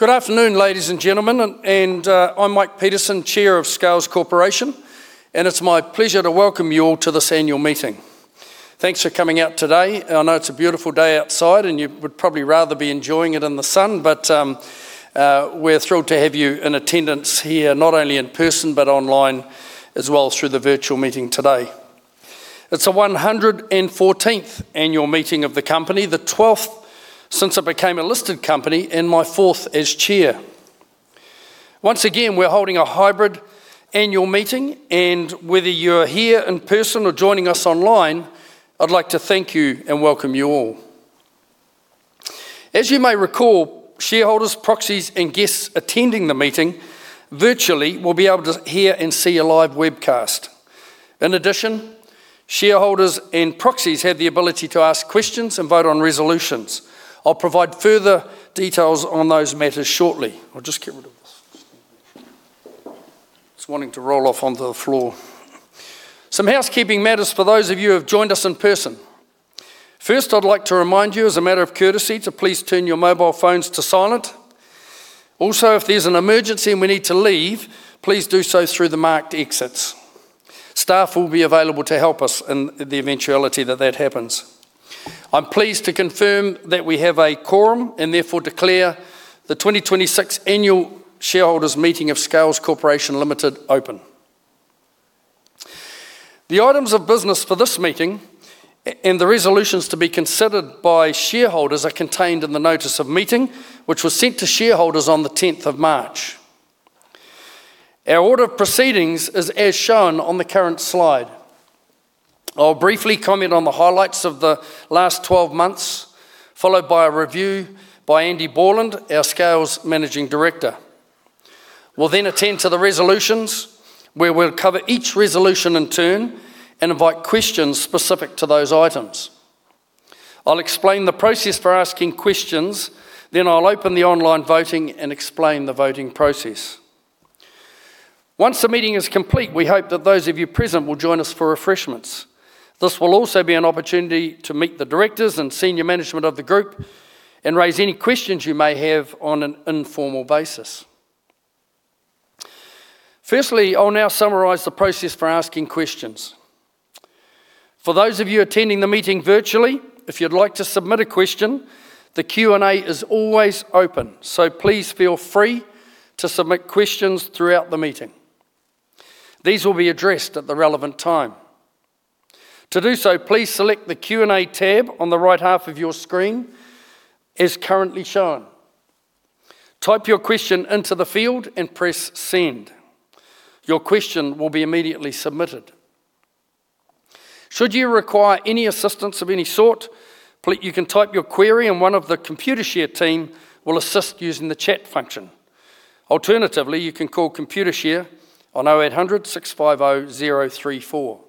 Good afternoon, ladies and gentlemen. I'm Mike Petersen, Chair of Scales Corporation. It's my pleasure to welcome you all to this annual meeting. Thanks for coming out today. I know it's a beautiful day outside. You would probably rather be enjoying it in the sun. We're thrilled to have you in attendance here, not only in person, but online as well through the virtual meeting today. It's the 114th annual meeting of the company, the 12th since it became a listed company, and my fourth as Chair. Once again, we're holding a hybrid annual meeting. Whether you're here in person or joining us online, I'd like to thank you and welcome you all. As you may recall, shareholders, proxies, and guests attending the meeting virtually will be able to hear and see a live webcast. In addition, shareholders and proxies have the ability to ask questions and vote on resolutions. I'll provide further details on those matters shortly. I'll just get rid of this. It's wanting to roll off onto the floor. Some housekeeping matters for those of you who have joined us in person. First, I'd like to remind you, as a matter of courtesy, to please turn your mobile phones to silent. Also, if there's an emergency and we need to leave, please do so through the marked exits. Staff will be available to help us in the eventuality that that happens. I'm pleased to confirm that we have a quorum and therefore declare the 2026 Annual Shareholders Meeting of Scales Corporation Limited open. The items of business for this meeting, and the resolutions to be considered by shareholders, are contained in the Notice of Meeting, which was sent to shareholders on the 10th of March. Our order of proceedings is as shown on the current slide. I'll briefly comment on the highlights of the last 12 months, followed by a review by Andy Borland, our Scales Managing Director. We'll then attend to the resolutions, where we'll cover each resolution in turn and invite questions specific to those items. I'll explain the process for asking questions, then I'll open the online voting and explain the voting process. Once the meeting is complete, we hope that those of you present will join us for refreshments. This will also be an opportunity to meet the Directors and Senior Management of the group and raise any questions you may have on an informal basis. Firstly, I'll now summarize the process for asking questions. For those of you attending the meeting virtually, if you'd like to submit a question, the Q&A is always open, so please feel free to submit questions throughout the meeting. These will be addressed at the relevant time. To do so, please select the Q&A tab on the right half of your screen as currently shown. Type your question into the field and press send. Your question will be immediately submitted. Should you require any assistance of any sort, you can type your query and one of the Computershare team will assist using the chat function. Alternatively, you can call Computershare on 0800 650 034.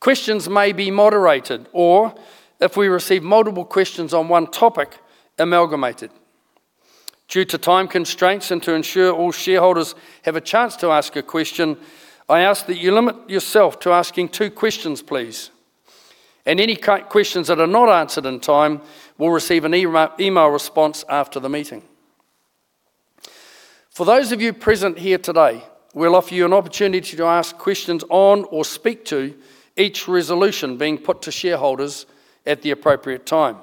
Questions may be moderated or, if we receive multiple questions on one topic, amalgamated. Due to time constraints and to ensure all shareholders have a chance to ask a question, I ask that you limit yourself to asking two questions, please. Any questions that are not answered in time will receive an email response after the meeting. For those of you present here today, we'll offer you an opportunity to ask questions on or speak to each resolution being put to shareholders at the appropriate time.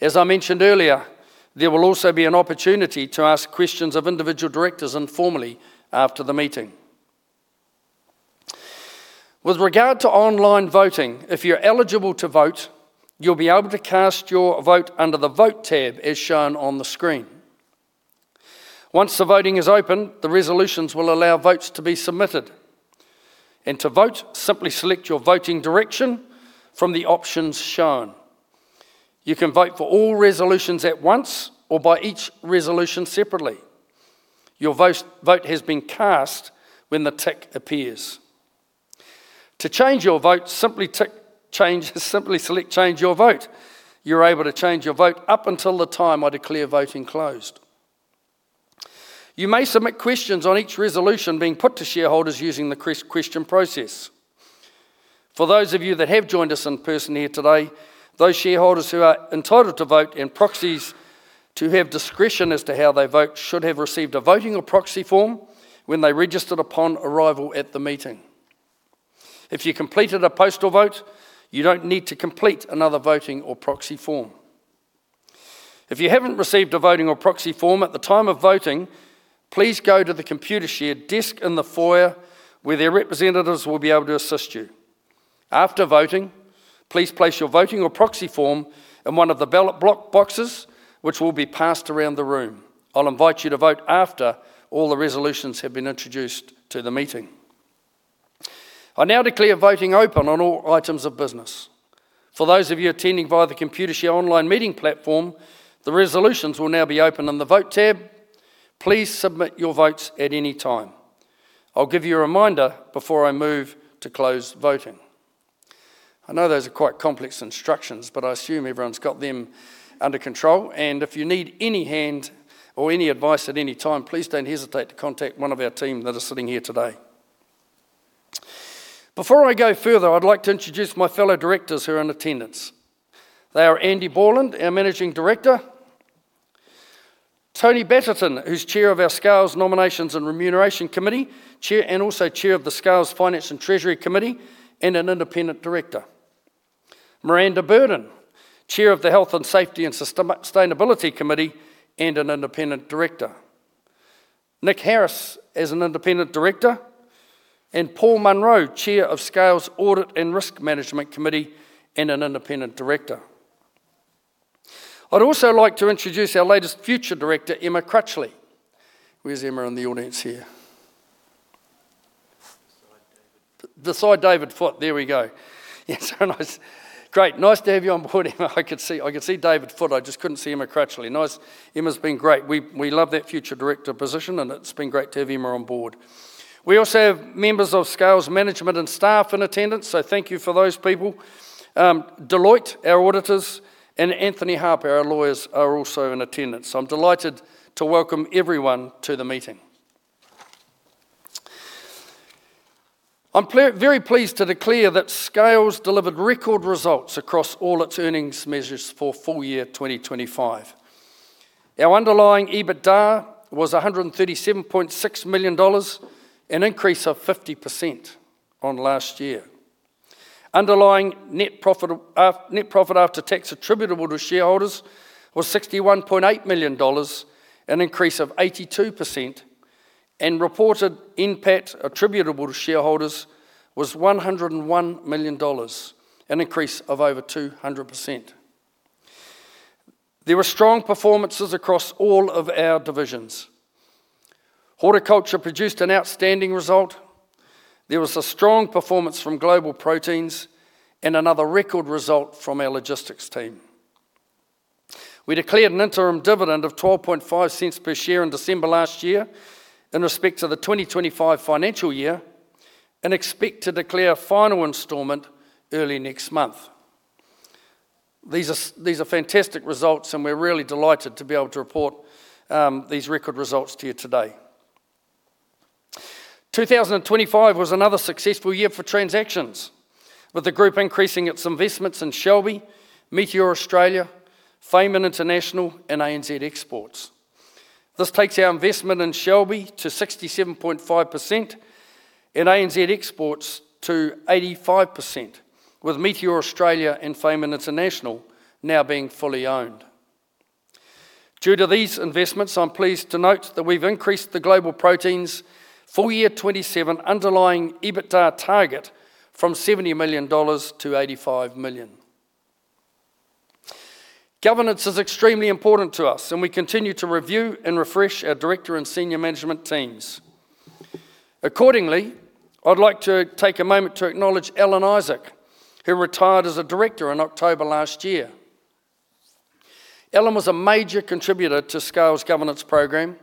As I mentioned earlier, there will also be an opportunity to ask questions of individual Directors informally after the meeting. With regard to online voting, if you're eligible to vote, you'll be able to cast your vote under the Vote tab as shown on the screen. Once the voting is open, the resolutions will allow votes to be submitted. To vote, simply select your voting direction from the options shown. You can vote for all resolutions at once or by each resolution separately. Your vote has been cast when the tick appears. To change your vote, simply select Change Your Vote. You're able to change your vote up until the time I declare voting closed. You may submit questions on each resolution being put to shareholders using the question process. For those of you that have joined us in person here today, those shareholders who are entitled to vote and proxies to have discretion as to how they vote should have received a voting or proxy form when they registered upon arrival at the meeting. If you completed a postal vote, you don't need to complete another voting or proxy form. If you haven't received a voting or proxy form at the time of voting, please go to the Computershare desk in the foyer, where their representatives will be able to assist you. After voting, please place your voting or proxy form in one of the ballot boxes which will be passed around the room. I'll invite you to vote after all the resolutions have been introduced to the meeting. I now declare voting open on all items of business. For those of you attending via the Computershare online meeting platform, the resolutions will now be open in the Vote tab. Please submit your votes at any time. I'll give you a reminder before I move to close voting. I know those are quite complex instructions, but I assume everyone's got them under control. If you need any hand or any advice at any time, please don't hesitate to contact one of our team that are sitting here today. Before I go further, I'd like to introduce my fellow Directors who are in attendance. They are Andy Borland, our Managing Director. Tony Batterton, who's Chair of our Scales Nominations and Remuneration Committee, and also Chair of the Scales Finance and Treasury Committee, and an Independent Director. Miranda Burdon, Chair of the Health & Safety and Sustainability Committee, and an Independent Director. Nick Harris, as an Independent Director, and Paul Munro, Chair of Scales’ Audit and Risk Management Committee, and an Independent Director. I'd also like to introduce our latest Future Director, Emma Crutchley. Where's Emma in the audience here? Beside David Foote. There we go. Great. Nice to have you on board, Emma. I could see Dave Foote, I just couldn't see Emma Crutchley. Nice. Emma's been great. We love that future director position, and it's been great to have Emma on board. We also have members of Scales management and staff in attendance, so thank you for those people. Deloitte, our auditors, and Anthony Harper, our lawyers, are also in attendance. I'm delighted to welcome everyone to the meeting. I'm very pleased to declare that Scales delivered record results across all its earnings measures for full year 2025. Our underlying EBITDA was 137.6 million dollars, an increase of 50% on last year. Underlying net profit after tax attributable to shareholders was NZD 61.8 million, an increase of 82%, and reported NPAT attributable to shareholders was 101 million dollars, an increase of over 200%. There were strong performances across all of our divisions. Horticulture produced an outstanding result. There was a strong performance from Global Proteins, and another record result from our logistics team. We declared an interim dividend of 0.125 per share in December last year in respect of the 2025 financial year, and expect to declare a final installment early next month. These are fantastic results, and we're really delighted to be able to report these record results to you today. 2025 was another successful year for transactions, with the group increasing its investments in Shelby, Meateor Australia, Fayman International, and ANZ Exports. This takes our investment in Shelby to 67.5%, and ANZ Exports to 85%, with Meateor Australia and Fayman International now being fully owned. Due to these investments, I'm pleased to note that we've increased the Global Proteins' full year 2027 underlying EBITDA target from NZD 70 million-NZD 85 million. Governance is extremely important to us, and we continue to review and refresh our Director and Senior Management teams. Accordingly, I'd like to take a moment to acknowledge Alan Isaac, who retired as a Director in October last year. Alan was a major contributor to Scales' governance program,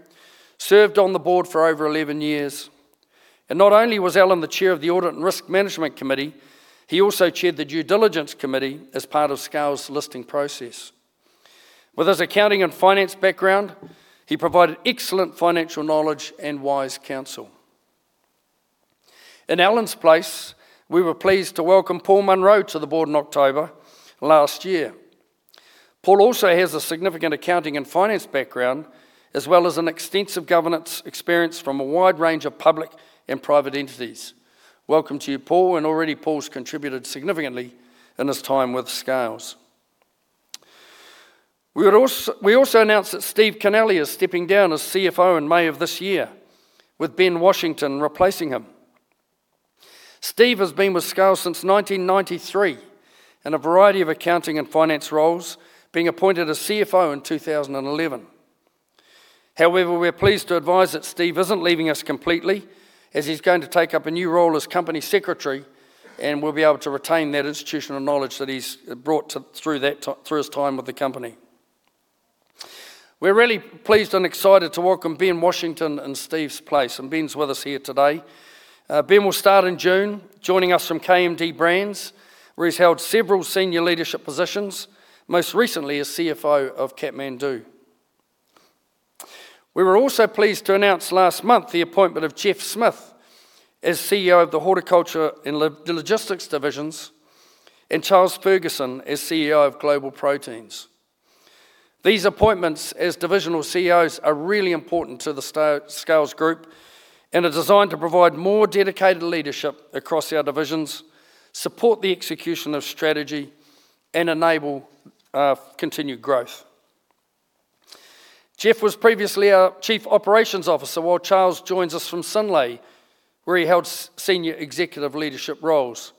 served on the Board for over 11 years. Not only was Alan the Chair of the Audit and Risk Management Committee, he also chaired the Due Diligence Committee as part of Scales' listing process. With his accounting and finance background, he provided excellent financial knowledge and wise counsel. In Alan's place, we were pleased to welcome Paul Munro to the Board in October last year. Paul also has a significant accounting and finance background, as well as an extensive governance experience from a wide range of public and private entities. Welcome to you, Paul. Already Paul's contributed significantly in his time with Scales. We also announced that Steve Kennelly is stepping down as CFO in May of this year, with Ben Washington replacing him. Steve has been with Scales since 1993, in a variety of accounting and finance roles, being appointed as CFO in 2011. However, we are pleased to advise that Steve isn't leaving us completely, as he's going to take up a new role as Company Secretary. We'll be able to retain that institutional knowledge that he's brought through his time with the company. We're really pleased and excited to welcome Ben Washington in Steve's place. Ben's with us here today. Ben will start in June, joining us from KMD Brands, where he's held several senior leadership positions, most recently as CFO of Kathmandu. We were also pleased to announce last month the appointment of Geoff Smith as CEO of the Horticulture and Logistics divisions, and Charles Ferguson as CEO of Global Proteins. These appointments as divisional CEOs are really important to the Scales Group and are designed to provide more dedicated leadership across our divisions, support the execution of strategy, and enable continued growth. Geoff was previously our Chief Operations Officer, while Charles joins us from Synlait, where he held senior executive leadership roles.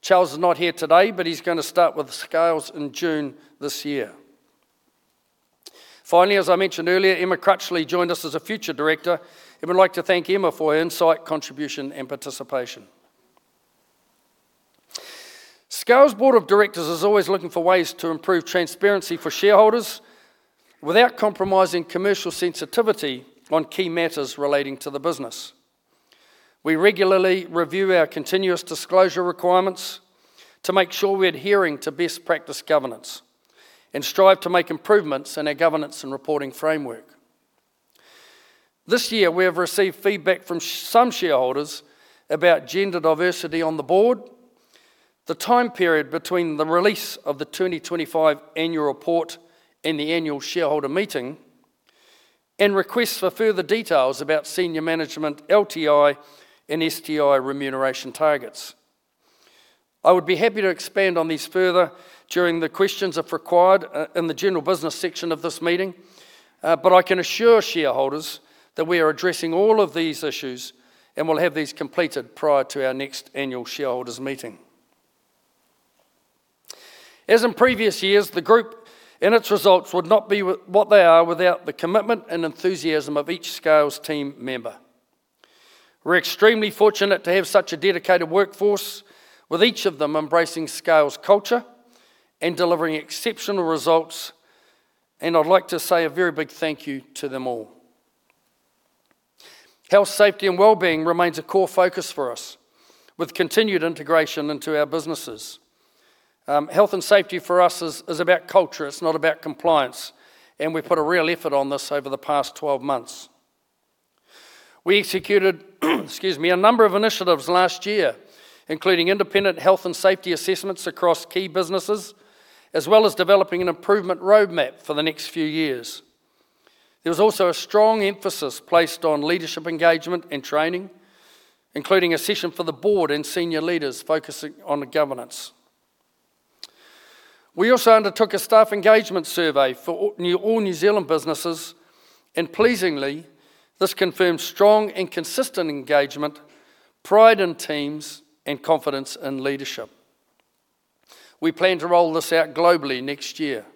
Charles is not here today, but he's going to start with Scales in June this year. Finally, as I mentioned earlier, Emma Crutchley joined us as a Future Director, and we'd like to thank Emma for her insight, contribution, and participation. Scales' Board of Directors is always looking for ways to improve transparency for shareholders without compromising commercial sensitivity on key matters relating to the business. We regularly review our continuous disclosure requirements to make sure we're adhering to best practice governance, and strive to make improvements in our governance and reporting framework. This year, we have received feedback from some shareholders about gender diversity on the Board, the time period between the release of the 2025 Annual Report and the Annual Shareholder Meeting, and requests for further details about senior management LTI and STI remuneration targets. I would be happy to expand on these further during the questions, if required, in the general business section of this meeting. I can assure shareholders that we are addressing all of these issues and will have these completed prior to our next Annual Shareholders Meeting. As in previous years, the Group and its results would not be what they are without the commitment and enthusiasm of each Scales team member. We're extremely fortunate to have such a dedicated workforce, with each of them embracing Scales culture and delivering exceptional results, and I'd like to say a very big thank you to them all. Health, safety, and well-being remains a core focus for us, with continued integration into our businesses. Health and safety for us is about culture. It's not about compliance, and we've put a real effort on this over the past 12 months. We executed, excuse me, a number of initiatives last year, including independent health and safety assessments across key businesses, as well as developing an improvement roadmap for the next few years. There was also a strong emphasis placed on leadership engagement and training, including a session for the Board and senior leaders focusing on governance. We also undertook a staff engagement survey for all New Zealand businesses, and pleasingly, this confirmed strong and consistent engagement, pride in teams, and confidence in leadership. We plan to roll this out globally next year.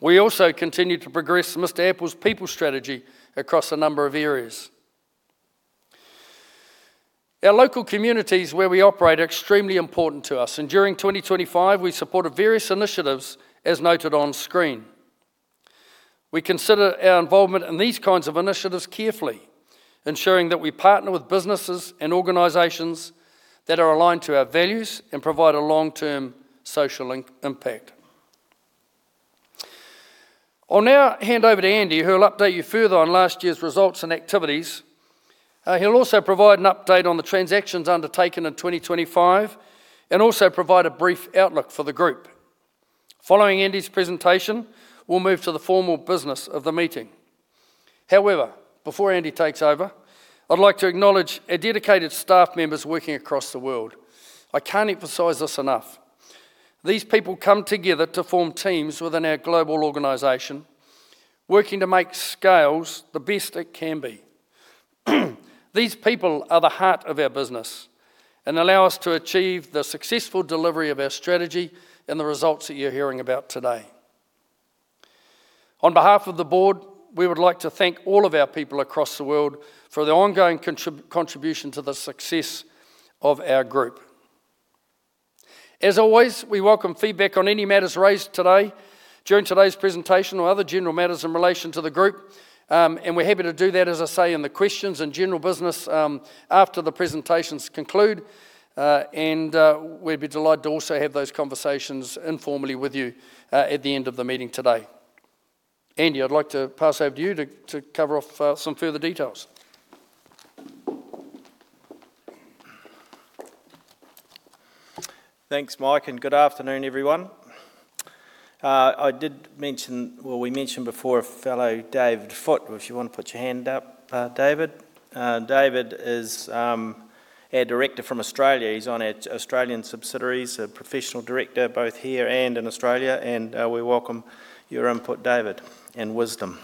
We also continue to progress Mr Apple's people strategy across a number of areas. Our local communities where we operate are extremely important to us, and during 2025, we supported various initiatives as noted on screen. We consider our involvement in these kinds of initiatives carefully, ensuring that we partner with businesses and organizations that are aligned to our values and provide a long-term social impact. I'll now hand over to Andy, who will update you further on last year's results and activities. He'll also provide an update on the transactions undertaken in 2025 and also provide a brief outlook for the group. Following Andy's presentation, we'll move to the formal business of the meeting. However, before Andy takes over, I'd like to acknowledge our dedicated staff members working across the world. I can't emphasize this enough. These people come together to form teams within our global organization, working to make Scales the best it can be. These people are the heart of our business and allow us to achieve the successful delivery of our strategy and the results that you're hearing about today. On behalf of the Board, we would like to thank all of our people across the world for their ongoing contribution to the success of our Group. As always, we welcome feedback on any matters raised today during today's presentation or other general matters in relation to the Group, and we're happy to do that, as I say, in the Questions and General Business after the presentations conclude. We'd be delighted to also have those conversations informally with you at the end of the meeting today. Andy, I'd like to pass over to you to cover off some further details. Thanks, Mike, and good afternoon, everyone. Well, we mentioned before a fellow David Foote. If you want to put your hand up, David. David is our Director from Australia. He's on our Australian subsidiaries, a professional director both here and in Australia, and we welcome your input, David, and wisdom.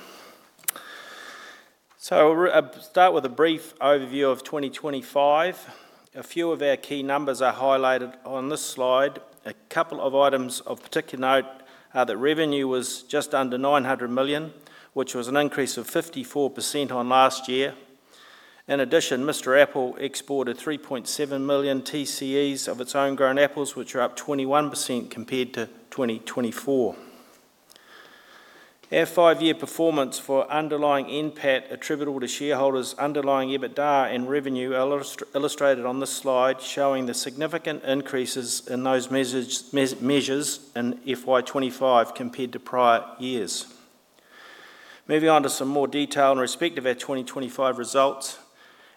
I'll start with a brief overview of 2025. A few of our key numbers are highlighted on this slide. A couple of items of particular note are that revenue was just under 900 million, which was an increase of 54% on last year. In addition, Mr Apple exported 3.7 million TCEs of its own grown apples, which are up 21% compared to 2024. Our five-year performance for underlying NPAT attributable to shareholders, underlying EBITDA, and revenue are illustrated on this slide, showing the significant increases in those measures in FY 2025 compared to prior years. Moving on to some more detail in respect of our 2025 results.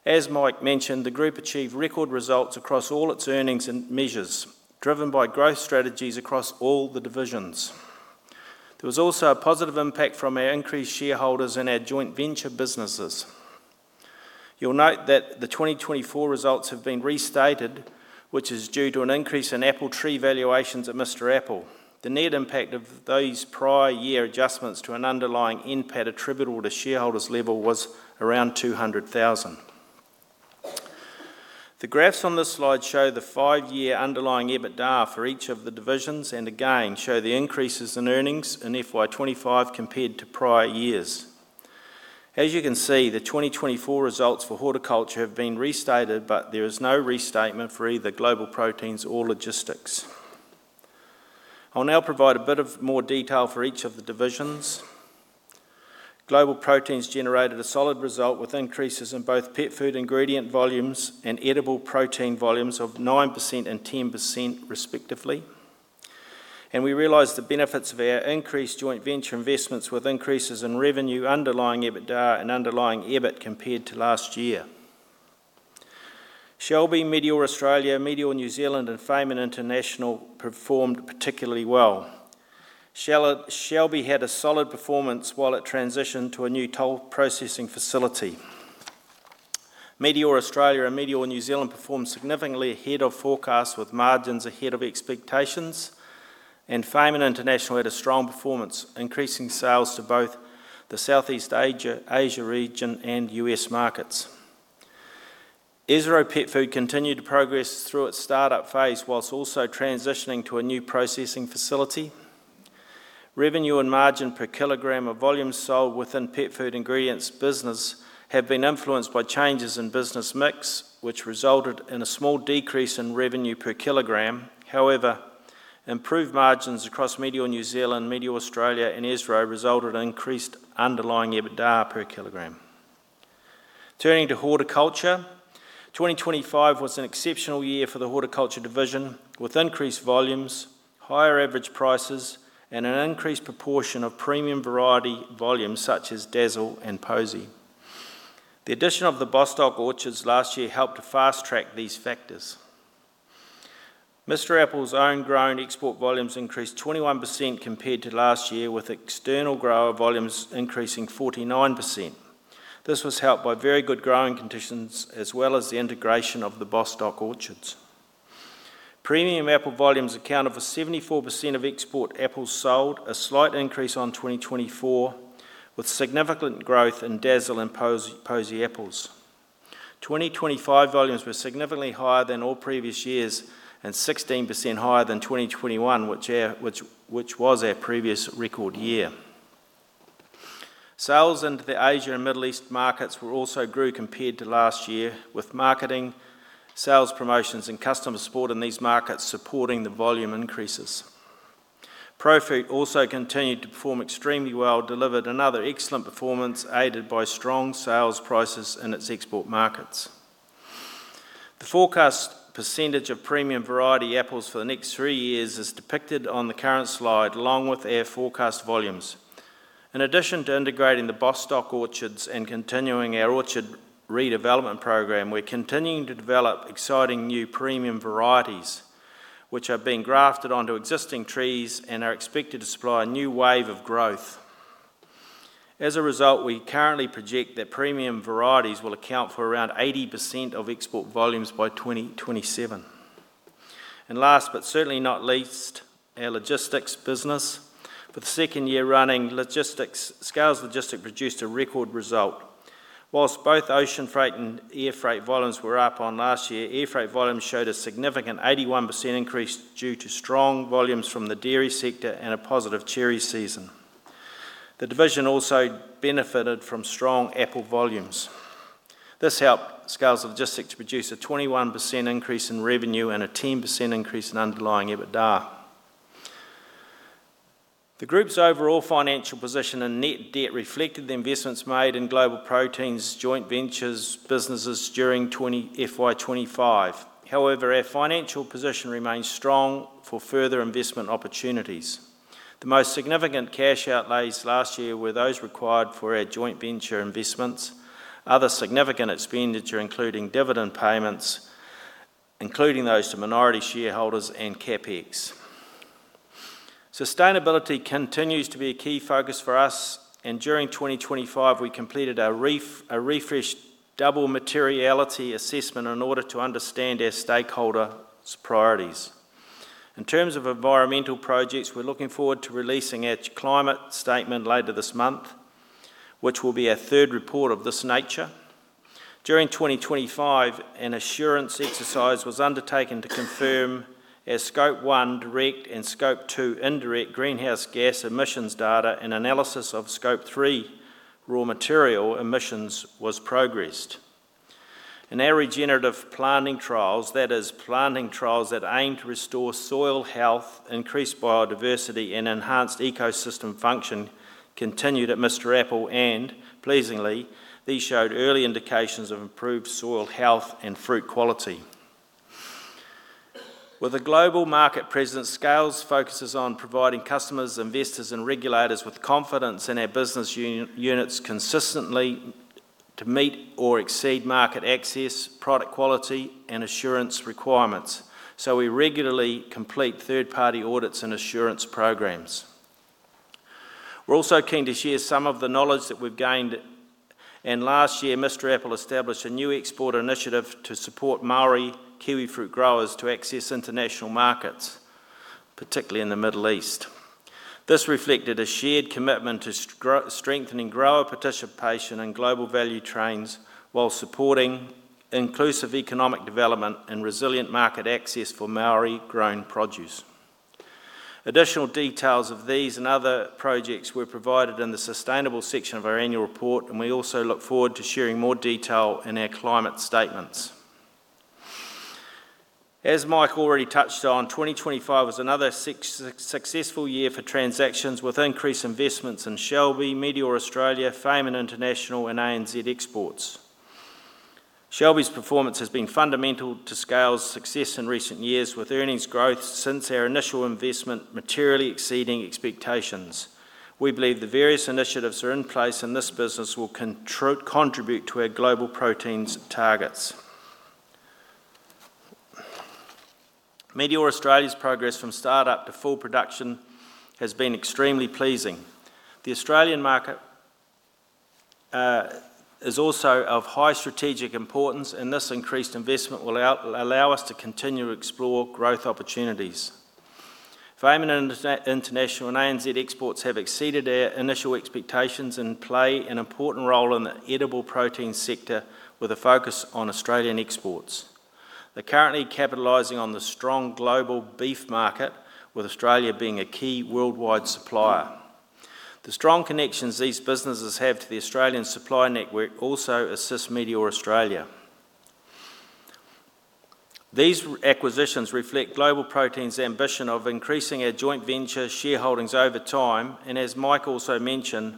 As Mike mentioned, the Group achieved record results across all its earnings and measures, driven by growth strategies across all the divisions. There was also a positive impact from our increased shareholdings in our joint venture businesses. You'll note that the 2024 results have been restated, which is due to an increase in apple tree valuations at Mr Apple. The net impact of these prior year adjustments to an underlying NPAT attributable to shareholders level was around 200,000. The graphs on this slide show the five-year underlying EBITDA for each of the divisions, and again, show the increases in earnings in FY 2025 compared to prior years. As you can see, the 2024 results for Horticulture have been restated, but there is no restatement for either Global Proteins or Logistics. I'll now provide a bit of more detail for each of the divisions. Global Proteins generated a solid result with increases in both pet food ingredient volumes and edible protein volumes of 9% and 10% respectively. We realized the benefits of our increased joint venture investments with increases in revenue, underlying EBITDA, and underlying EBIT compared to last year. Shelby, Meateor Australia, Meateor New Zealand, and Fayman International performed particularly well. Shelby had a solid performance while it transitioned to a new toll processing facility. Meateor Australia and Meateor New Zealand performed significantly ahead of forecasts, with margins ahead of expectations. Fayman International had a strong performance, increasing sales to both the Southeast Asia region and U.S. markets. Esro Pet Food continued to progress through its startup phase whilst also transitioning to a new processing facility. Revenue and margin per kilogram of volumes sold within Pet Food Ingredients business have been influenced by changes in business mix, which resulted in a small decrease in revenue per kilogram. However, improved margins across Meateor New Zealand, Meateor Australia, and Esro resulted in increased underlying EBITDA per kilogram. Turning to Horticulture, 2025 was an exceptional year for the Horticulture division, with increased volumes, higher average prices, and an increased proportion of premium variety volumes such as Dazzle and Posy. The addition of the Bostock orchards last year helped to fast-track these factors. Mr Apple's own grown export volumes increased 21% compared to last year, with external grower volumes increasing 49%. This was helped by very good growing conditions as well as the integration of the Bostock orchards. Premium apple volumes accounted for 74% of export apples sold, a slight increase on 2024, with significant growth in Dazzle and Posy apples. 2025 volumes were significantly higher than all previous years and 16% higher than 2021, which was our previous record year. Sales into the Asia and Middle East markets also grew compared to last year, with marketing, sales promotions, and customer support in these markets supporting the volume increases. Profruit also continued to perform extremely well, delivered another excellent performance aided by strong sales prices in its export markets. The forecast percentage of premium variety apples for the next three years is depicted on the current slide, along with our forecast volumes. In addition to integrating the Bostock orchards and continuing our orchard redevelopment program, we're continuing to develop exciting new premium varieties, which are being grafted onto existing trees and are expected to supply a new wave of growth. As a result, we currently project that premium varieties will account for around 80% of export volumes by 2027. Last but certainly not least, our logistics business, for the second year running, Scales Logistics produced a record result. Whilst both ocean freight and air freight volumes were up on last year, air freight volumes showed a significant 81% increase due to strong volumes from the dairy sector and a positive cherry season. The division also benefited from strong apple volumes. This helped Scales Logistics to produce a 21% increase in revenue and a 10% increase in underlying EBITDA. The Group's overall financial position and net debt reflected the investments made in Global Proteins joint venture businesses during FY 2025. However, our financial position remains strong for further investment opportunities. The most significant cash outlays last year were those required for our joint venture investments. Other significant expenditure including dividend payments, including those to minority shareholders and CapEx. Sustainability continues to be a key focus for us, and during 2025, we completed a refreshed double materiality assessment in order to understand our stakeholders' priorities. In terms of environmental projects, we're looking forward to releasing our climate statement later this month, which will be our third report of this nature. During 2025, an assurance exercise was undertaken to confirm our Scope 1 direct and Scope 2 indirect greenhouse gas emissions data, and analysis of Scope 3 raw material emissions was progressed. Our regenerative planting trials, that is, planting trials that aim to restore soil health, increase biodiversity and enhance ecosystem function, continued at Mr Apple, and pleasingly, these showed early indications of improved soil health and fruit quality. With a global market presence, Scales focuses on providing customers, investors, and regulators with confidence in our business units consistently to meet or exceed market access, product quality, and assurance requirements. We regularly complete third-party audits and assurance programs. We're also keen to share some of the knowledge that we've gained, and last year, Mr Apple established a new export initiative to support Māori kiwifruit growers to access international markets, particularly in the Middle East. This reflected a shared commitment to strengthening grower participation in global value chains while supporting inclusive economic development and resilient market access for Māori-grown produce. Additional details of these and other projects were provided in the Sustainability section of our Annual Report, and we also look forward to sharing more detail in our Climate Statements. As Mike already touched on, 2025 was another successful year for transactions with increased investments in Shelby, Meateor Australia, Fayman International, and ANZ Exports. Shelby's performance has been fundamental to Scales' success in recent years, with earnings growth since our initial investment materially exceeding expectations. We believe the various initiatives that are in place in this business will contribute to our Global Proteins targets. Meateor Australia's progress from startup to full production has been extremely pleasing. The Australian market is also of high strategic importance, and this increased investment will allow us to continue to explore growth opportunities. Fayman International and ANZ Exports have exceeded our initial expectations and play an important role in the edible protein sector with a focus on Australian exports. They're currently capitalizing on the strong global beef market, with Australia being a key worldwide supplier. The strong connections these businesses have to the Australian supply network also assist Meateor Australia. These acquisitions reflect Global Proteins' ambition of increasing our joint venture shareholdings over time, and as Mike also mentioned,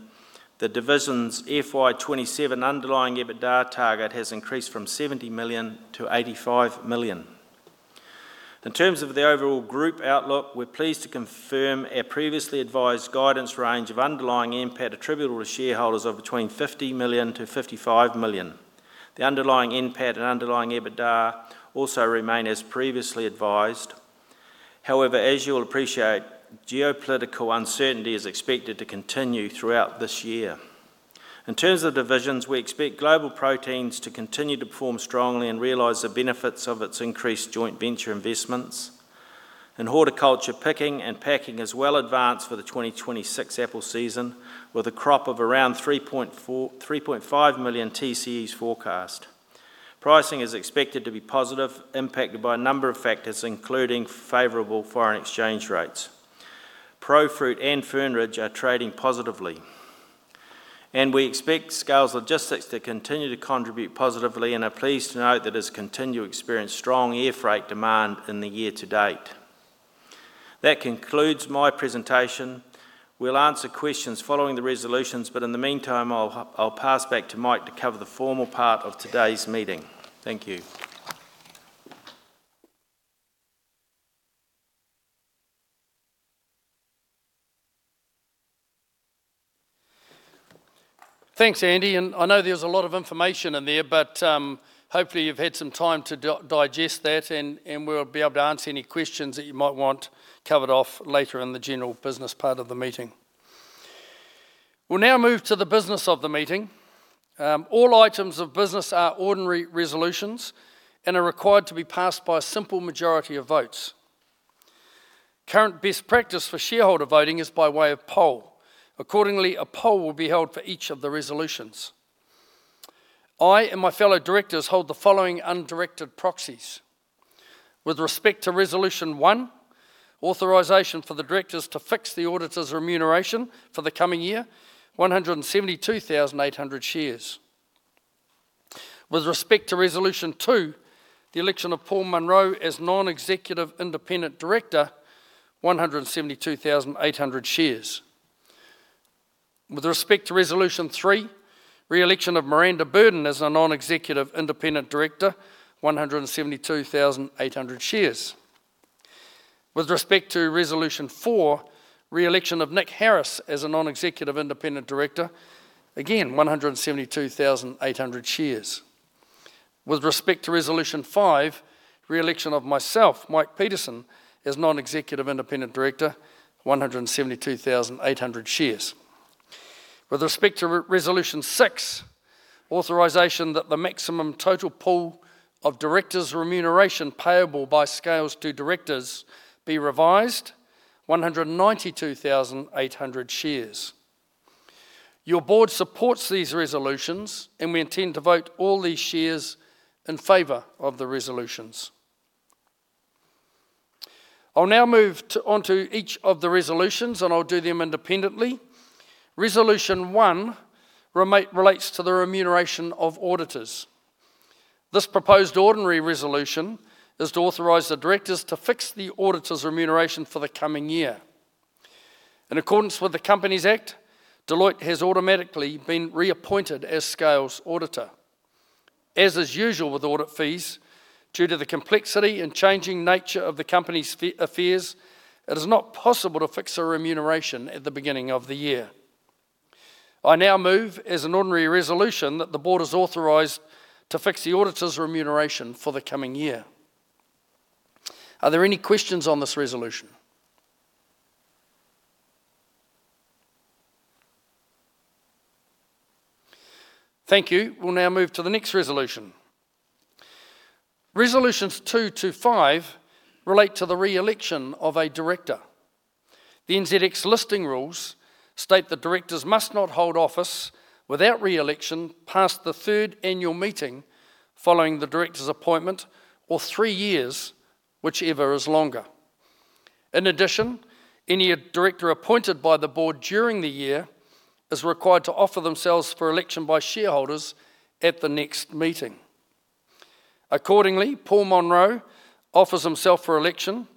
the division's FY 2027 underlying EBITDA target has increased from 70 million-85 million. In terms of the overall group outlook, we're pleased to confirm our previously advised guidance range of underlying NPAT attributable to shareholders of between 50 million-55 million. The underlying NPAT and underlying EBITDA also remain as previously advised. However, as you'll appreciate, geopolitical uncertainty is expected to continue throughout this year. In terms of divisions, we expect Global Proteins to continue to perform strongly and realize the benefits of its increased joint venture investments. In horticulture, picking and packing is well advanced for the 2026 apple season, with a crop of around 3.5 million TCEs forecast. Pricing is expected to be positive, impacted by a number of factors, including favorable foreign exchange rates. Profruit and Fern Ridge are trading positively. We expect Scales Logistics to continue to contribute positively and are pleased to note that it has continued to experience strong air freight demand in the year to date. That concludes my presentation. We'll answer questions following the resolutions. In the meantime, I'll pass back to Mike to cover the formal part of today's meeting. Thank you. Thanks, Andy. I know there's a lot of information in there, but hopefully you've had some time to digest that, and we'll be able to answer any questions that you might want covered off later in the General Business part of the meeting. We'll now move to the business of the meeting. All items of business are ordinary resolutions and are required to be passed by a simple majority of votes. Current best practice for shareholder voting is by way of poll. Accordingly, a poll will be held for each of the resolutions. I and my fellow Directors hold the following undirected proxies. With respect to Resolution 1, authorization for the Directors to fix the Auditor's remuneration for the coming year, 172,800 shares. With respect to Resolution 2, the election of Paul Munro as Non-Executive Independent Director, 172,800 shares. With respect to Resolution 3, re-election of Miranda Burdon as a Non-Executive Independent Director, 172,800 shares. With respect to Resolution 4, re-election of Nick Harris as a Non-Executive Independent Director, again, 172,800 shares. With respect to Resolution 5, re-election of myself, Mike Petersen, as Non-Executive Independent Director, 172,800 shares. With respect to Resolution 6, authorization that the maximum total pool of Directors' remuneration payable by Scales to Directors be revised, 192,800 shares. Your Board supports these resolutions, and we intend to vote all these shares in favor of the resolutions. I'll now move on to each of the resolutions, and I'll do them independently. Resolution 1 relates to the remuneration of auditors. This proposed ordinary resolution is to authorize the Directors to fix the auditor's remuneration for the coming year. In accordance with the Companies Act, Deloitte has automatically been reappointed as Scales' auditor. As is usual with audit fees, due to the complexity and changing nature of the company's affairs, it is not possible to fix a remuneration at the beginning of the year. I now move as an ordinary resolution that the board is authorized to fix the auditor's remuneration for the coming year. Are there any questions on this resolution? Thank you. We'll now move to the next resolution. Resolutions 2 to 5 relate to the re-election of a director. The NZX listing rules state that directors must not hold office without re-election past the third annual meeting following the director's appointment, or three years, whichever is longer. In addition, any director appointed by the Board during the year is required to offer themselves for election by shareholders at the next meeting. Accordingly, Paul Munro offers himself for election,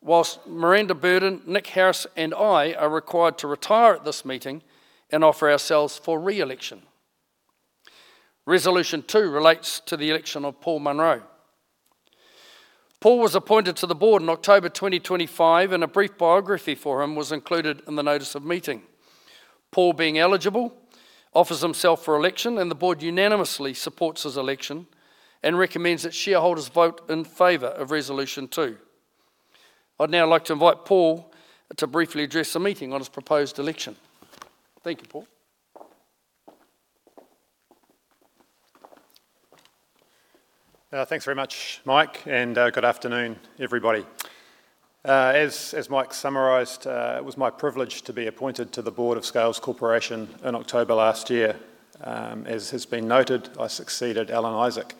whilst Miranda Burdon, Nick Harris, and I are required to retire at this meeting and offer ourselves for re-election. Resolution 2 relates to the election of Paul Munro. Paul was appointed to the Board in October 2025, and a brief biography for him was included in the Notice of Meeting. Paul, being eligible, offers himself for election, and the Board unanimously supports his election and recommends that shareholders vote in favor of Resolution 2. I'd now like to invite Paul to briefly address the meeting on his proposed election. Thank you, Paul. Thanks very much, Mike, and good afternoon, everybody. As Mike summarized, it was my privilege to be appointed to the Board of Scales Corporation in October last year. As has been noted, I succeeded Alan Isaac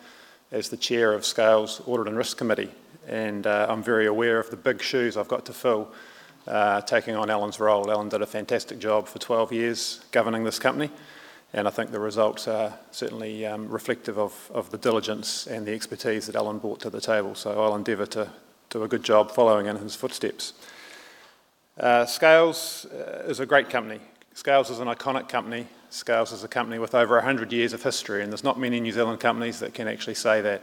as the Chair of Scales’ Audit and Risk Management Committee, and I'm very aware of the big shoes I've got to fill taking on Alan's role. Alan did a fantastic job for 12 years governing this company, and I think the results are certainly reflective of the diligence and the expertise that Alan brought to the table. I'll endeavor to do a good job following in his footsteps. Scales is a great company. Scales is an iconic company. Scales is a company with over 100 years of history, and there's not many New Zealand companies that can actually say that.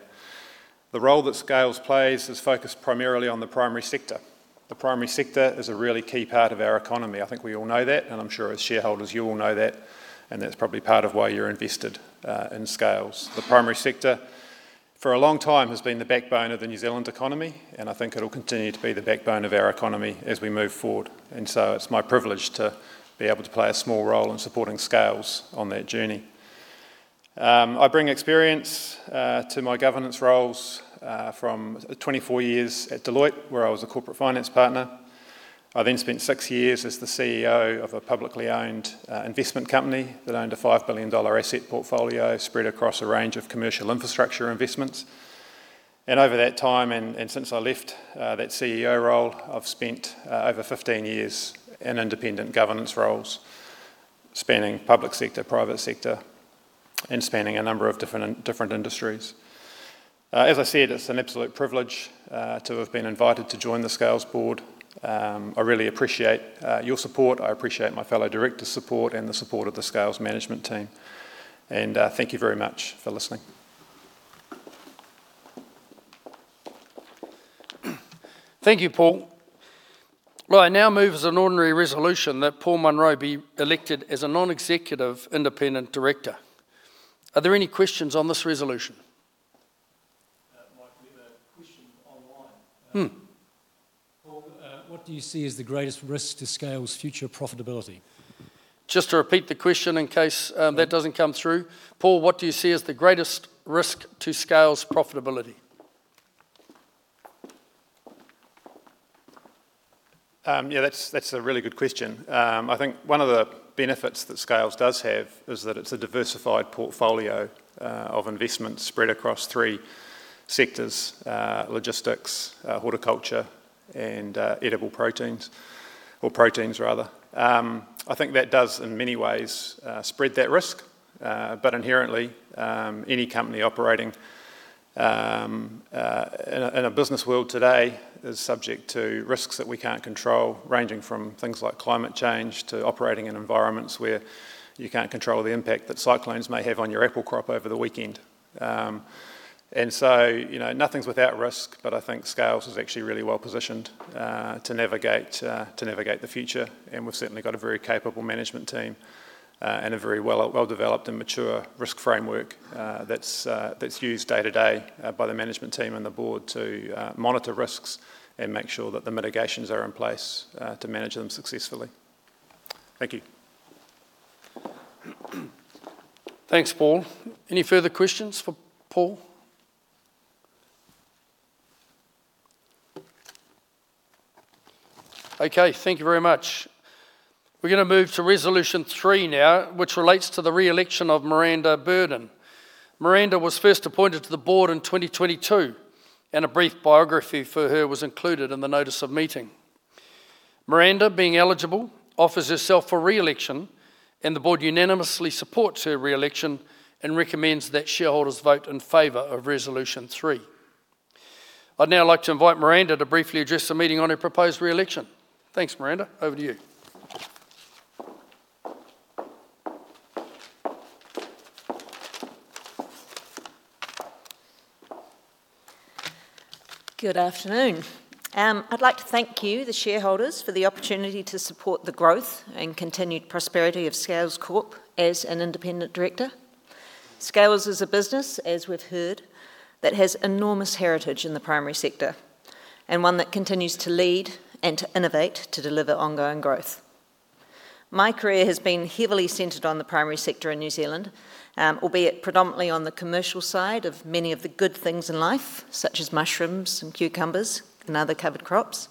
The role that Scales plays is focused primarily on the primary sector. The primary sector is a really key part of our economy. I think we all know that. I'm sure as shareholders, you all know that, and that's probably part of why you're invested in Scales. The primary sector, for a long time, has been the backbone of the New Zealand economy. I think it'll continue to be the backbone of our economy as we move forward. It's my privilege to be able to play a small role in supporting Scales on that journey. I bring experience to my governance roles from 24 years at Deloitte, where I was a Corporate Finance Partner. I then spent six years as the CEO of a publicly owned investment company that owned a 5 billion dollar asset portfolio spread across a range of commercial infrastructure investments. Over that time, and since I left that CEO role, I've spent over 15 years in independent governance roles, spanning public sector, private sector, and spanning a number of different industries. As I said, it's an absolute privilege to have been invited to join the Scales Board. I really appreciate your support. I appreciate my fellow directors' support and the support of the Scales Management Team. Thank you very much for listening. Thank you, Paul. Well, I now move as an ordinary resolution that Paul Munro be elected as a Non-Executive Independent Director. Are there any questions on this resolution? Paul, what do you see as the greatest risk to Scales' future profitability? Just to repeat the question in case that doesn't come through. Paul, what do you see as the greatest risk to Scales' profitability? Yeah, that's a really good question. I think one of the benefits that Scales does have is that it's a diversified portfolio of investments spread across three sectors, Logistics, Horticulture, and Edible Proteins, or proteins, rather. I think that does, in many ways, spread that risk. Inherently, any company operating in a business world today is subject to risks that we can't control, ranging from things like climate change to operating in environments where you can't control the impact that cyclones may have on your apple crop over the weekend. Nothing's without risk, but I think Scales is actually really well-positioned to navigate the future. We've certainly got a very capable management team and a very well-developed and mature risk framework that's used day to day by the management team and the Board to monitor risks and make sure that the mitigations are in place to manage them successfully. Thank you. Thanks, Paul. Any further questions for Paul? Okay, thank you very much. We're going to move to Resolution 3 now, which relates to the re-election of Miranda Burdon. Miranda was first appointed to the Board in 2022, and a brief biography for her was included in the Notice of Meeting. Miranda, being eligible, offers herself for re-election, and the Board unanimously supports her re-election and recommends that shareholders vote in favor of Resolution 3. I'd now like to invite Miranda to briefly address the meeting on her proposed re-election. Thanks, Miranda. Over to you. Good afternoon. I'd like to thank you, the shareholders, for the opportunity to support the growth and continued prosperity of Scales Corp as an Independent Director. Scales is a business, as we've heard, that has enormous heritage in the primary sector and one that continues to lead and to innovate to deliver ongoing growth. My career has been heavily centered on the primary sector in New Zealand, albeit predominantly on the commercial side of many of the good things in life, such as mushrooms and cucumbers and other covered crops,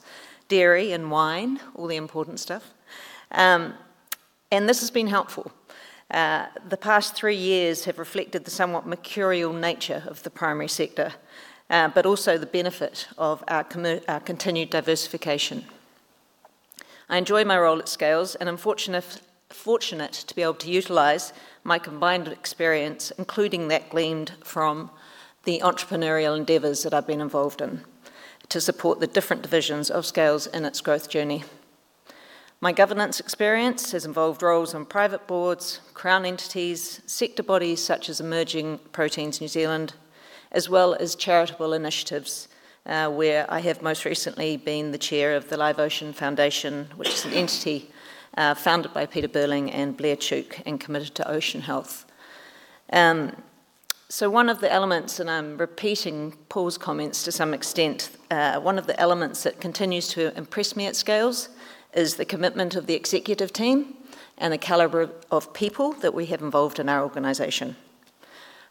dairy and wine, all the important stuff. This has been helpful. The past three years have reflected the somewhat mercurial nature of the primary sector, but also the benefit of our continued diversification. I enjoy my role at Scales and I'm fortunate to be able to utilize my combined experience, including that gleaned from the entrepreneurial endeavors that I've been involved in, to support the different divisions of Scales in its growth journey. My governance experience has involved roles on private boards, Crown entities, sector bodies such as Emerging Proteins New Zealand, as well as charitable initiatives, where I have most recently been the Chair of the Live Ocean Foundation, which is an entity founded by Peter Burling and Blair Tuke, and committed to ocean health. One of the elements, and I'm repeating Paul's comments to some extent, one of the elements that continues to impress me at Scales is the commitment of the Executive Team and the caliber of people that we have involved in our organization.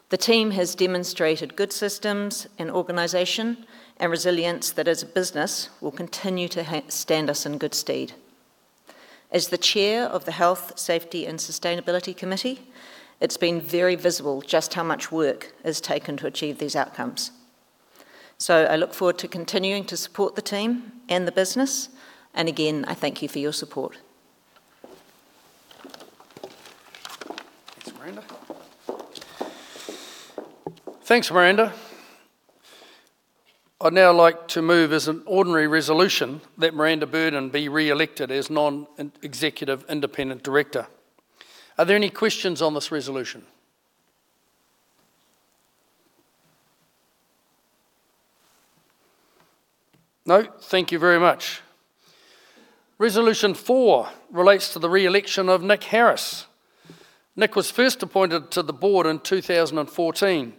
The team has demonstrated good systems and organization and resilience that, as a business, will continue to stand us in good stead. As the Chair of the Health, Safety, and Sustainability Committee, it's been very visible just how much work has taken to achieve these outcomes. I look forward to continuing to support the team and the business, and again, I thank you for your support. Thanks, Miranda. I'd now like to move as an Ordinary Resolution that Miranda Burdon be reelected as Non-Executive Independent Director. Are there any questions on this resolution? No? Thank you very much. Resolution 4 relates to the reelection of Nick Harris. Nick was first appointed to the Board in 2014,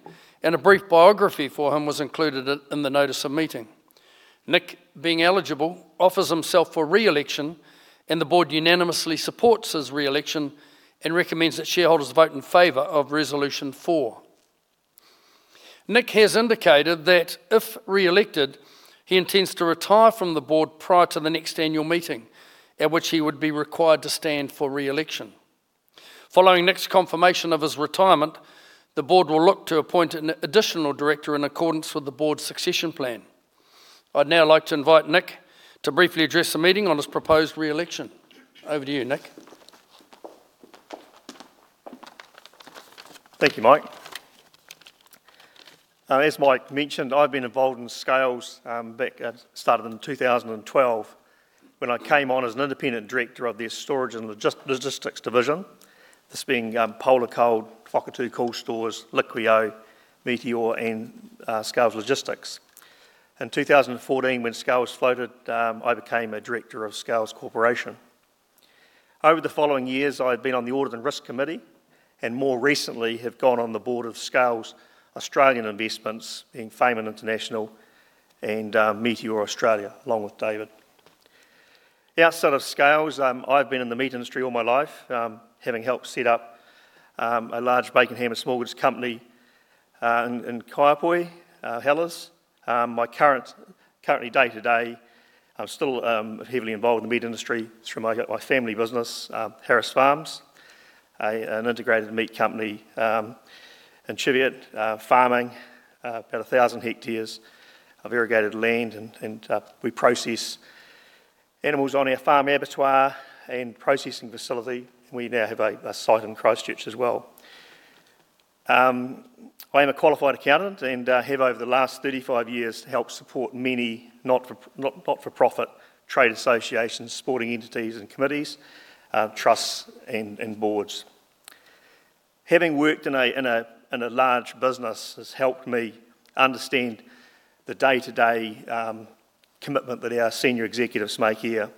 and a brief biography for him was included in the Notice of Meeting. Nick, being eligible, offers himself for reelection, and the Board unanimously supports his reelection and recommends that shareholders vote in favor of Resolution 4. Nick has indicated that if reelected, he intends to retire from the Board prior to the next Annual Meeting, at which he would be required to stand for reelection. Following Nick's confirmation of his retirement, the Board will look to appoint an additional Director in accordance with the Board's Succession Plan. I'd now like to invite Nick to briefly address the meeting on his proposed reelection. Over to you, Nick. Thank you, Mike. As Mike mentioned, I've been involved in Scales, started in 2012 when I came on as an Independent Director of their Storage and Logistics Division, this being Polarcold, Whakatu Coldstores, Liqueo, Meateor, and Scales Logistics. In 2014, when Scales floated, I became a Director of Scales Corporation. Over the following years, I've been on the Audit and Risk Committee, and more recently have gone on the Board of Scales' Australian investments in Fayman International and Meateor Australia, along with David. Outside of Scales, I've been in the meat industry all my life, having helped set up a large bacon, ham, and smallgoods company in Kaiapoi, Hellers. Currently, day to day, I'm still heavily involved in the meat industry through my family business, Harris Farms, an integrated meat company in Cheviot, farming about 1,000 hectares of irrigated land. We process animals on our farm abattoir and processing facility, and we now have a site in Christchurch as well. I am a qualified accountant and have, over the last 35 years, helped support many not-for-profit trade associations, sporting entities and committees, trusts, and boards. Having worked in a large business has helped me understand the day-to-day commitment that our Senior Executives make here.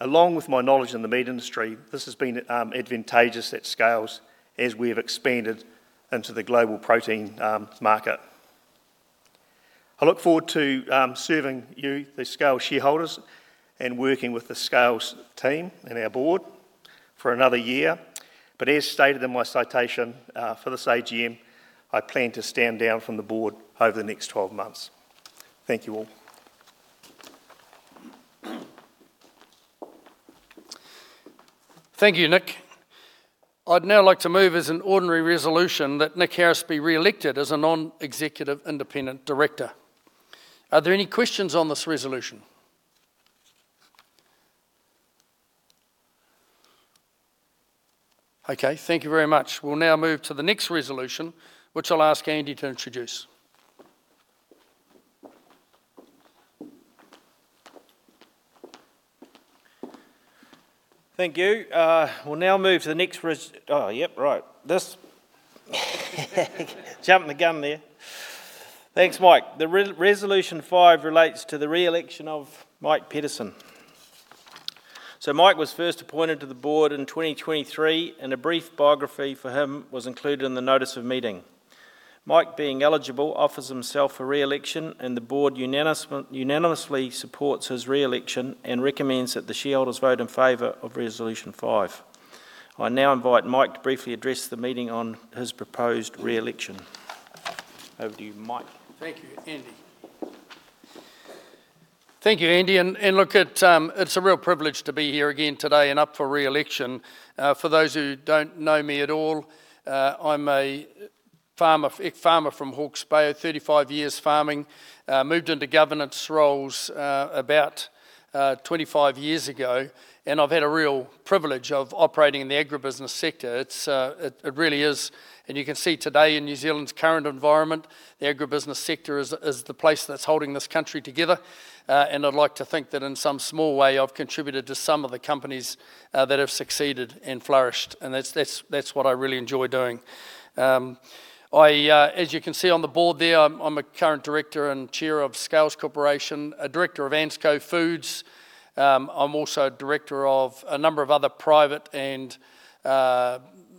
Along with my knowledge in the meat industry, this has been advantageous at Scales as we have expanded into the Global Protein market. I look forward to serving you, the Scales shareholders, and working with the Scales team and our Board for another year. As stated in my citation for this AGM, I plan to stand down from the Board over the next 12 months. Thank you all. Thank you, Nick. I'd now like to move as an ordinary resolution that Nick Harris be reelected as a Non-Executive Independent Director. Are there any questions on this resolution? Okay, thank you very much. We'll now move to the next resolution, which I'll ask Andy to introduce. Thank you. Oh, yep, right. This. Jumping the gun there. Thanks, Mike. The Resolution 5 relates to the reelection of Mike Petersen. Mike was first appointed to the Board in 2023, and a brief biography for him was included in the Notice of Meeting. Mike, being eligible, offers himself for reelection, and the Board unanimously supports his reelection and recommends that the shareholders vote in favor of Resolution 5. I now invite Mike to briefly address the meeting on his proposed reelection. Over to you, Mike. Thank you, Andy. Look, it's a real privilege to be here again today and up for reelection. For those who don't know me at all, I'm Farmer from Hawke's Bay. 35 years farming. Moved into governance roles about 25 years ago, and I've had a real privilege of operating in the agribusiness sector. It really is, and you can see today in New Zealand's current environment, the agribusiness sector is the place that's holding this country together, and I'd like to think that in some small way, I've contributed to some of the companies that have succeeded and flourished. And that's what I really enjoy doing. As you can see on the board there, I'm a current director and chair of Scales Corporation, a director of ANZCO Foods. I'm also a director of a number of other private and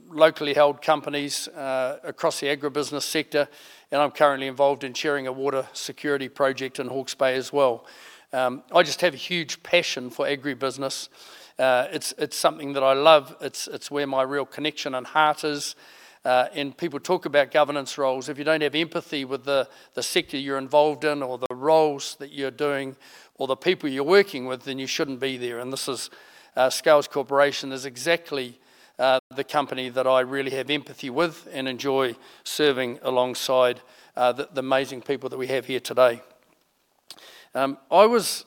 locally held companies across the agribusiness sector, and I'm currently involved in chairing a water security project in Hawke's Bay as well. I just have a huge passion for agribusiness. It's something that I love. It's where my real connection and heart is. People talk about governance roles. If you don't have empathy with the sector you're involved in or the roles that you're doing or the people you're working with, then you shouldn't be there. Scales Corporation is exactly the company that I really have empathy with and enjoy serving alongside the amazing people that we have here today. It was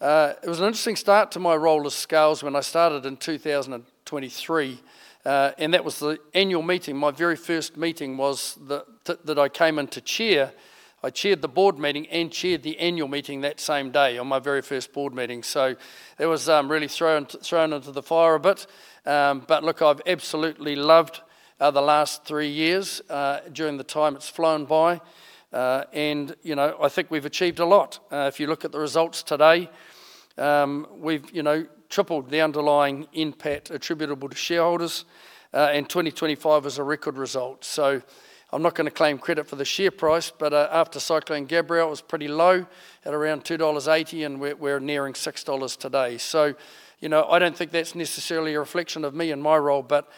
an interesting start to my role at Scales when I started in 2023, and that was the annual meeting. My very first meeting was that I came in to chair. I chaired the board meeting and chaired the annual meeting that same day on my very first board meeting. I was really thrown into the fire a bit. Look, I've absolutely loved the last three years. During the time, it's flown by, and I think we've achieved a lot. If you look at the results today, we've tripled the underlying NPAT attributable to shareholders, and 2025 is a record result. I'm not going to claim credit for the share price, but after Cyclone Gabrielle, it was pretty low at around 2.80 dollars, and we're nearing 6 dollars today. I don't think that's necessarily a reflection of me and my role, but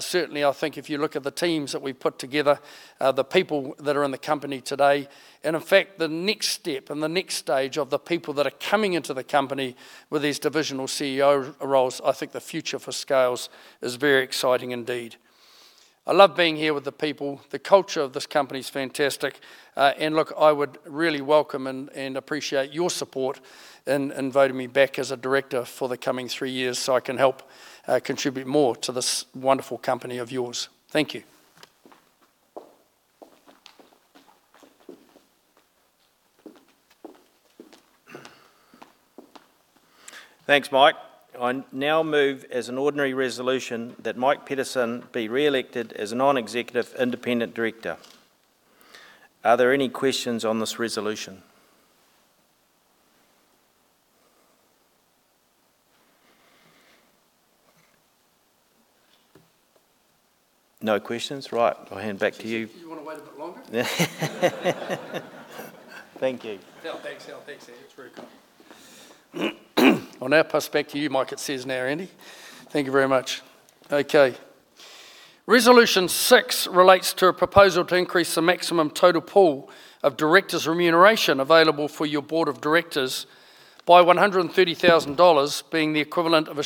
certainly I think if you look at the teams that we've put together, the people that are in the company today, and in fact, the next step and the next stage of the people that are coming into the company with these divisional CEO roles, I think the future for Scales is very exciting indeed. I love being here with the people. The culture of this company is fantastic. Look, I would really welcome and appreciate your support in voting me back as a Director for the coming three years so I can help contribute more to this wonderful company of yours. Thank you. Thanks, Mike. I now move as an ordinary resolution that Mike Petersen be re-elected as a Non-Executive Independent Director. Are there any questions on this resolution? No questions. Right. I'll hand back to you. You want to wait a bit longer? Thank you. So, thanks. It's very kind. I'll now pass back to you, Mike. It says now, Andy. Thank you very much. Okay. Resolution Six relates to a proposal to increase the maximum total pool of directors' remuneration available for your Board of Directors by 130,000 dollars, being the equivalent of 110,000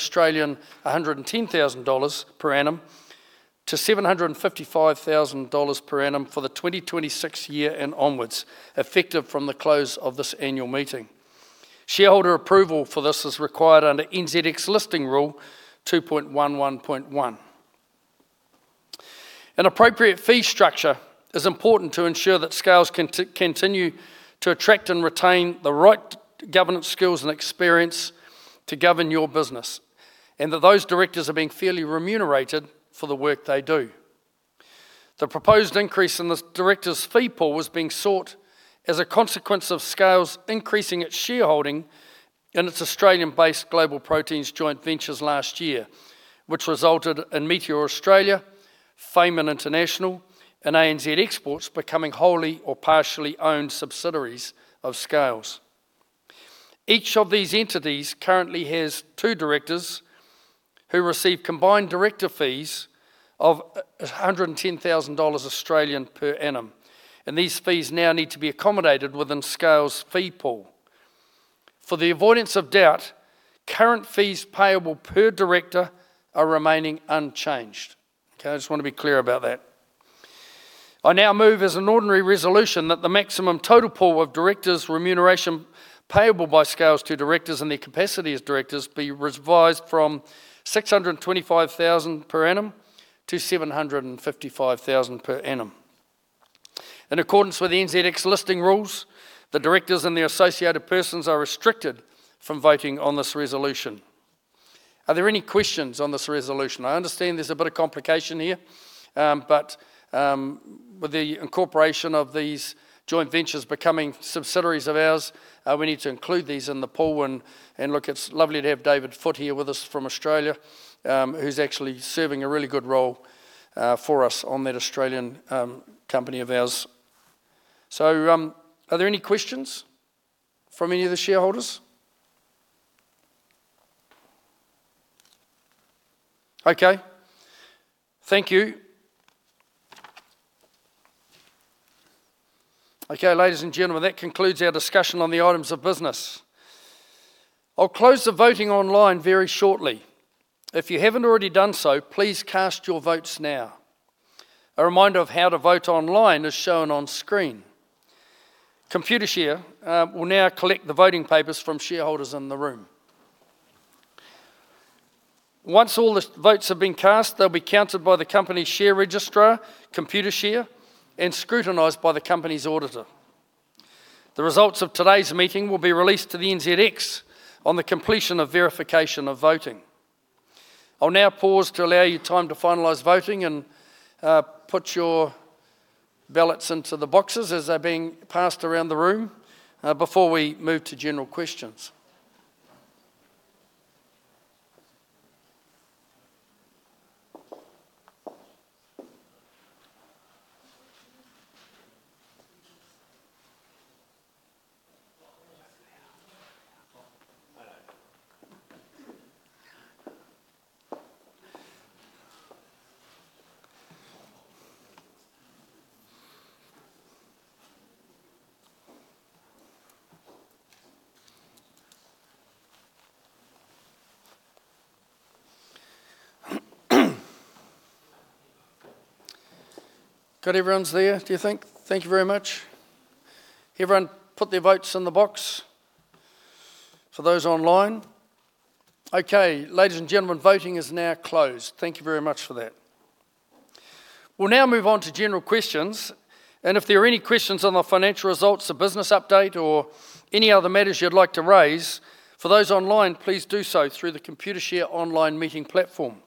Australian dollars per annum, to 755,000 dollars per annum for the 2026 year and onwards, effective from the close of this annual meeting. Shareholder approval for this is required under NZX Listing Rule 2.11.1. An appropriate fee structure is important to ensure that Scales can continue to attract and retain the right governance skills and experience to govern your business, and that those directors are being fairly remunerated for the work they do. The proposed increase in this Directors' fee pool was being sought as a consequence of Scales increasing its shareholding in its Australian-based Global Proteins joint ventures last year, which resulted in Meateor Australia, Fayman International, and ANZ Exports becoming wholly or partially owned subsidiaries of Scales. Each of these entities currently has two Directors who receive combined Director fees of 110,000 Australian dollars per annum, and these fees now need to be accommodated within Scales' fee pool. For the avoidance of doubt, current fees payable per Director are remaining unchanged. Okay, I just want to be clear about that. I now move as an ordinary resolution that the maximum total pool of Directors' remuneration payable by Scales to Directors in their capacity as Directors be revised from 625,000 per annum to 755,000 per annum. In accordance with NZX Listing Rules, the Directors and their associated persons are restricted from voting on this resolution. Are there any questions on this resolution? I understand there's a bit of complication here. With the incorporation of these joint ventures becoming subsidiaries of ours, we need to include these in the pool and look, it's lovely to have David Foote here with us from Australia, who's actually serving a really good role for us on that Australian company of ours. Are there any questions from any of the shareholders? Thank you. Ladies and gentlemen, that concludes our discussion on the items of business. I'll close the voting online very shortly. If you haven't already done so, please cast your votes now. A reminder of how to vote online is shown on screen. Computershare will now collect the voting papers from shareholders in the room. Once all the votes have been cast, they'll be counted by the Company share registrar, Computershare, and scrutinized by the Company's Auditor. The results of today's Meeting will be released to the NZX on the completion of verification of voting. I'll now pause to allow you time to finalize voting and put your ballots into the boxes as they're being passed around the room before we move to General Questions. Got everyone's there, do you think? Thank you very much. Everyone put their votes in the box. For those online, okay. Ladies and gentlemen, voting is now closed. Thank you very much for that. We'll now move on to General Questions, and if there are any questions on the Financial Results, the Business Update, or any other matters you'd like to raise, for those online, please do so through the Computershare online meeting platform.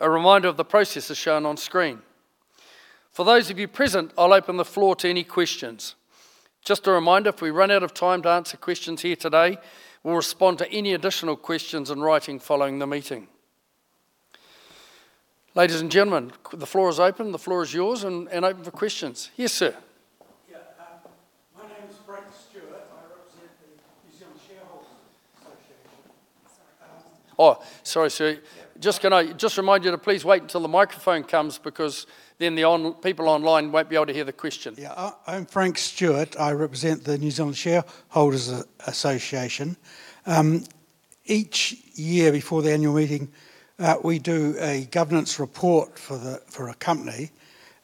A reminder of the process is shown on screen. For those of you present, I'll open the floor to any questions. Just a reminder, if we run out of time to answer questions here today, we'll respond to any additional questions in writing following the meeting. Ladies and gentlemen, the floor is open. The floor is yours and open for questions. Yes, sir. Yeah. My name is Frank Stewart. I represent the New Zealand Shareholders Association. Oh, sorry, sir. Just to remind you to please wait until the microphone comes, because then the people online won't be able to hear the question. Yeah. I'm Frank Stewart. I represent the New Zealand Shareholders Association. Each year before the annual meeting, we do a governance report for a company,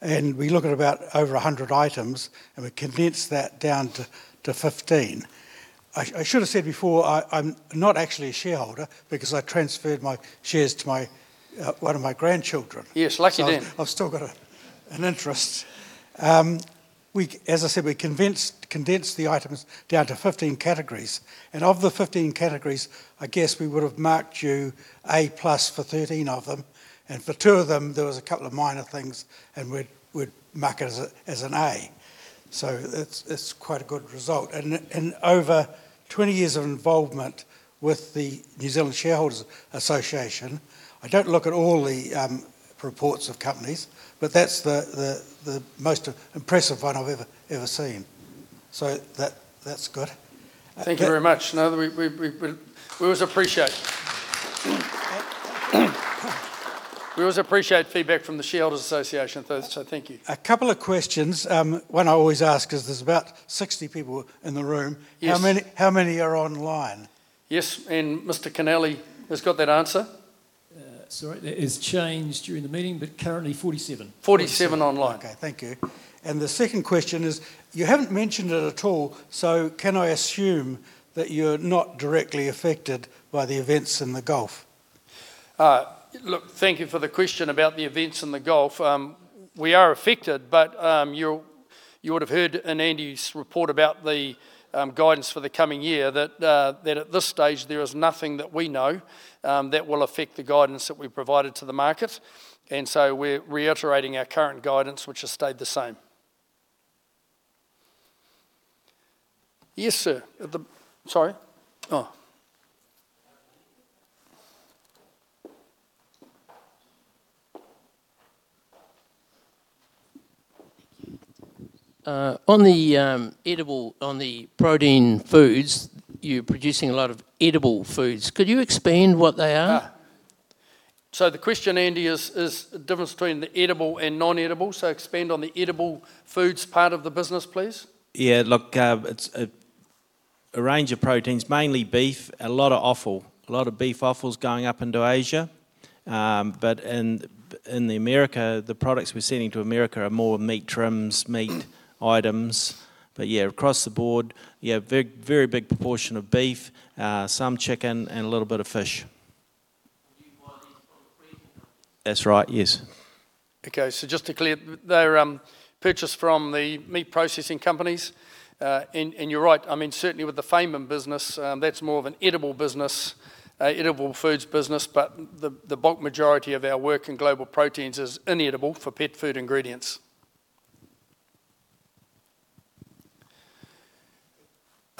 and we look at about over 100 items, and we condense that down to 15. I should have said before, I'm not actually a shareholder because I transferred my shares to one of my grandchildren. Yes. Lucky them. I've still got an interest. As I said, we condense the items down to 15 categories. Of the 15 categories, I guess we would've marked you A plus for 13 of them. For two of them, there was a couple of minor things, and we'd mark it as an A. That's quite a good result. Over 20 years of involvement with the New Zealand Shareholders Association, I don't look at all the reports of companies, but that's the most impressive one I've ever seen. That's good. Thank you very much. We always appreciate feedback from the Shareholders' Association, so thank you. A couple of questions. One I always ask is, there's about 60 people in the room. Yes. How many are online? Yes, and Mr. Kennelly has got that answer. Sorry, it has changed during the meeting, but currently 47. 47 online. Okay. Thank you. The second question is, you haven't mentioned it at all, so can I assume that you're not directly affected by the events in the Gulf? Look, thank you for the question about the events in the Gulf. We are affected, but you would've heard in Andy's report about the guidance for the coming year that, at this stage, there is nothing that we know that will affect the guidance that we've provided to the market. We're reiterating our current guidance, which has stayed the same. Yes, sir. Thank you. On the protein foods, you're producing a lot of edible foods. Could you expand what they are? The question, Andy, is the difference between the edible and non-edible, so expand on the edible foods part of the business, please. Yeah. Look, it's a range of proteins, mainly beef, a lot of offal. A lot of beef offal is going up into Asia. In the America, the products we're sending to America are more meat trims, meat items. Yeah, across the board, very big proportion of beef, some chicken, and a little bit of fish. You buy these from the companies? That's right, yes. Just to clear, they're purchased from the meat processing companies. You're right, certainly with the Fayman business, that's more of an edible foods business. The bulk majority of our work in Global Proteins is inedible for pet food ingredients.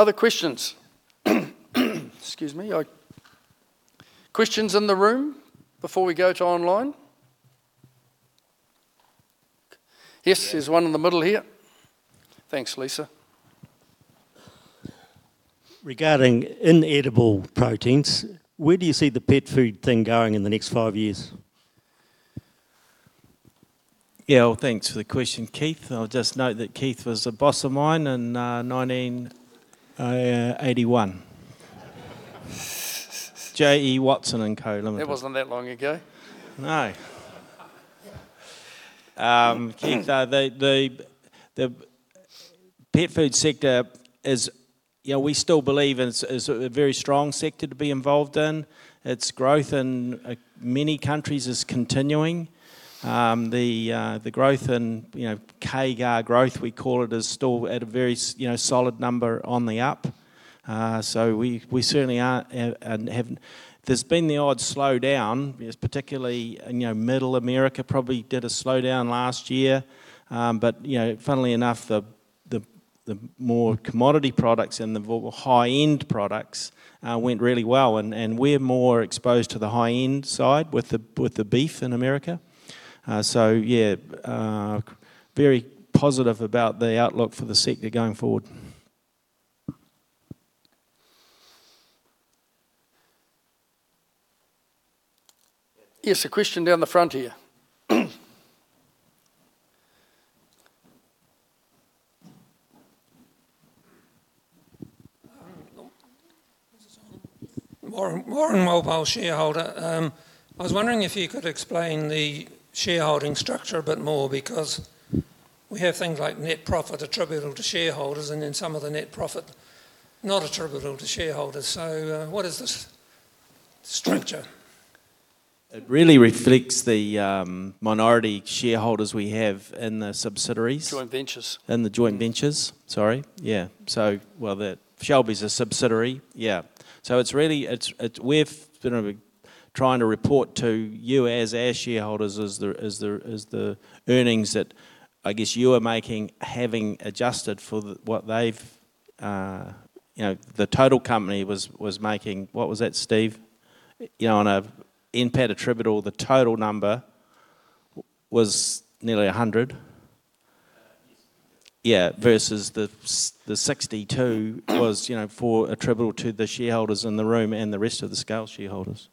Other questions? Excuse me. Questions in the room before we go to online? Yes, there's one in the middle here. Thanks, Lisa. Regarding inedible proteins, where do you see the pet food thing going in the next five years? Yeah. Well, thanks for the question, Keith. I'll just note that Keith was a boss of mine in 1981, J.E. Watson & Co. Limited. It wasn't that long ago. No. Keith, the pet food sector, we still believe is a very strong sector to be involved in. Its growth in many countries is continuing. The CAGR growth, we call it, is still at a very solid number on the up. There's been the odd slowdown. Particularly, Middle America probably did a slowdown last year. Funnily enough, the more commodity products and the high-end products went really well. We're more exposed to the high-end side with the beef in America. Yeah, very positive about the outlook for the sector going forward. Yes, a question down the front here. Warren Mobile, Shareholder. I was wondering if you could explain the shareholding structure a bit more, because we have things like net profit attributable to shareholders and then some of the net profit not attributable to shareholders. What is the structure? It really reflects the minority shareholders we have in the subsidiaries. Joint ventures. In the joint ventures, sorry, yeah, well, Shelby's a subsidiary. Yeah, we've been trying to report to you as our shareholders as the earnings that, I guess, you are making, having adjusted for what the total company was making. What was that, Steve? On a NPAT attributable, the total number was nearly 100. Yes. Yeah, versus the 62 was for attributable to the shareholders in the room and the rest of the Scales shareholders.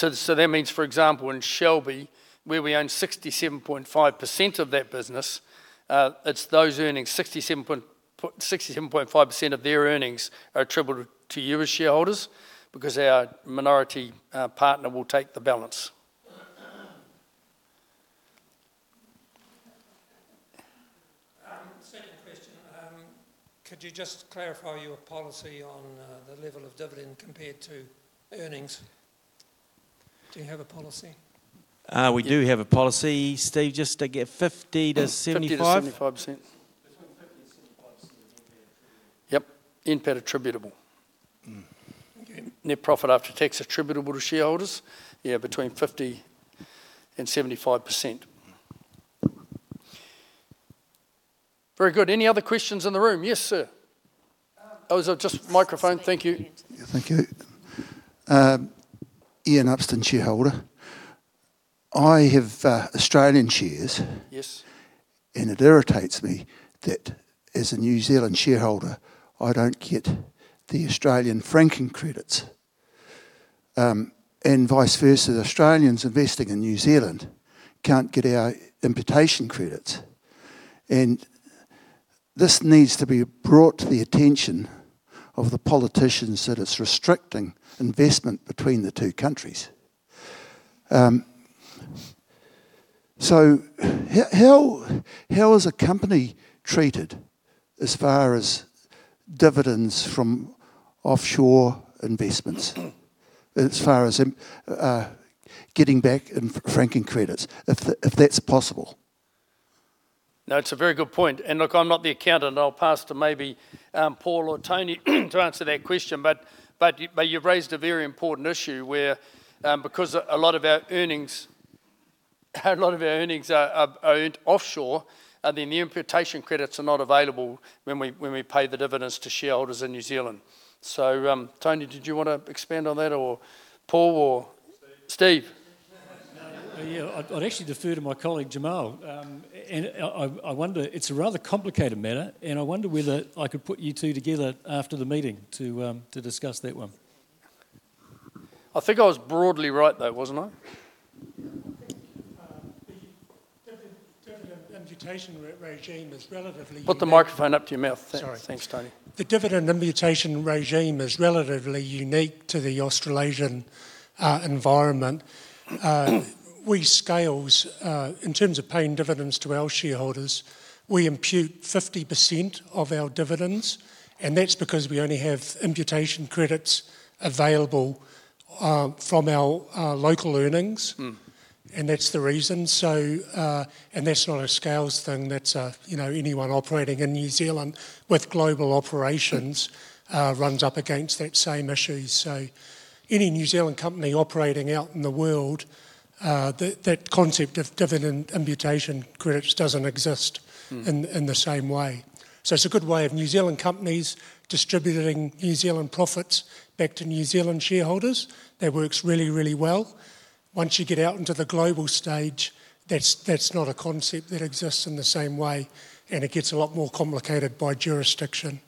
That means, for example, in Shelby, where we own 67.5% of that business, it's those earnings, 67.5% of their earnings are attributable to you as shareholders because our minority partner will take the balance. Second question, could you just clarify your policy on the level of dividend compared to earnings? Do you have a policy? We do have a policy, Steve, just to get 50%-75%? 50%-75%. Between 50% and 75% NPAT attributable. Yep, NPAT attributable. Okay. Net profit after tax attributable to shareholders. Yeah, between 50% and 75%. Very good. Any other questions in the room? Yes, sir. Oh, just microphone. Thank you. Yeah, thank you. Ian Upston, Shareholder. I have Australian shares. Yes. It irritates me that as a New Zealand shareholder, I don't get the Australian franking credits. Vice versa, Australians investing in New Zealand can't get our imputation credits. This needs to be brought to the attention of the politicians, that it's restricting investment between the two countries. How is a company treated as far as dividends from offshore investments, as far as getting back franking credits, if that's possible? No, it's a very good point. Look, I'm not the accountant, and I'll pass to maybe Paul or Tony to answer that question. You've raised a very important issue where because a lot of our earnings are earned offshore, and then the imputation credits are not available when we pay the dividends to shareholders in New Zealand. Tony, did you want to expand on that or Paul? Steve. Yeah. I'd actually defer to my colleague, Jamal. It's a rather complicated matter, and I wonder whether I could put you two together after the meeting to discuss that one. I think I was broadly right, though, wasn't I? I think the dividend imputation regime is relatively. Put the microphone up to your mouth. Sorry. Thanks, Tony. The dividend imputation regime is relatively unique to the Australasian environment. We, Scales, in terms of paying dividends to our shareholders, we impute 50% of our dividends, and that's because we only have imputation credits available from our local earnings. That's the reason. That's not a Scales thing. Anyone operating in New Zealand with global operations runs up against that same issue. Any New Zealand company operating out in the world, that concept of dividend imputation credits doesn't exist in the same way. It's a good way of New Zealand companies distributing New Zealand profits back to New Zealand shareholders. That works really well. Once you get out into the global stage, that's not a concept that exists in the same way, and it gets a lot more complicated by jurisdiction.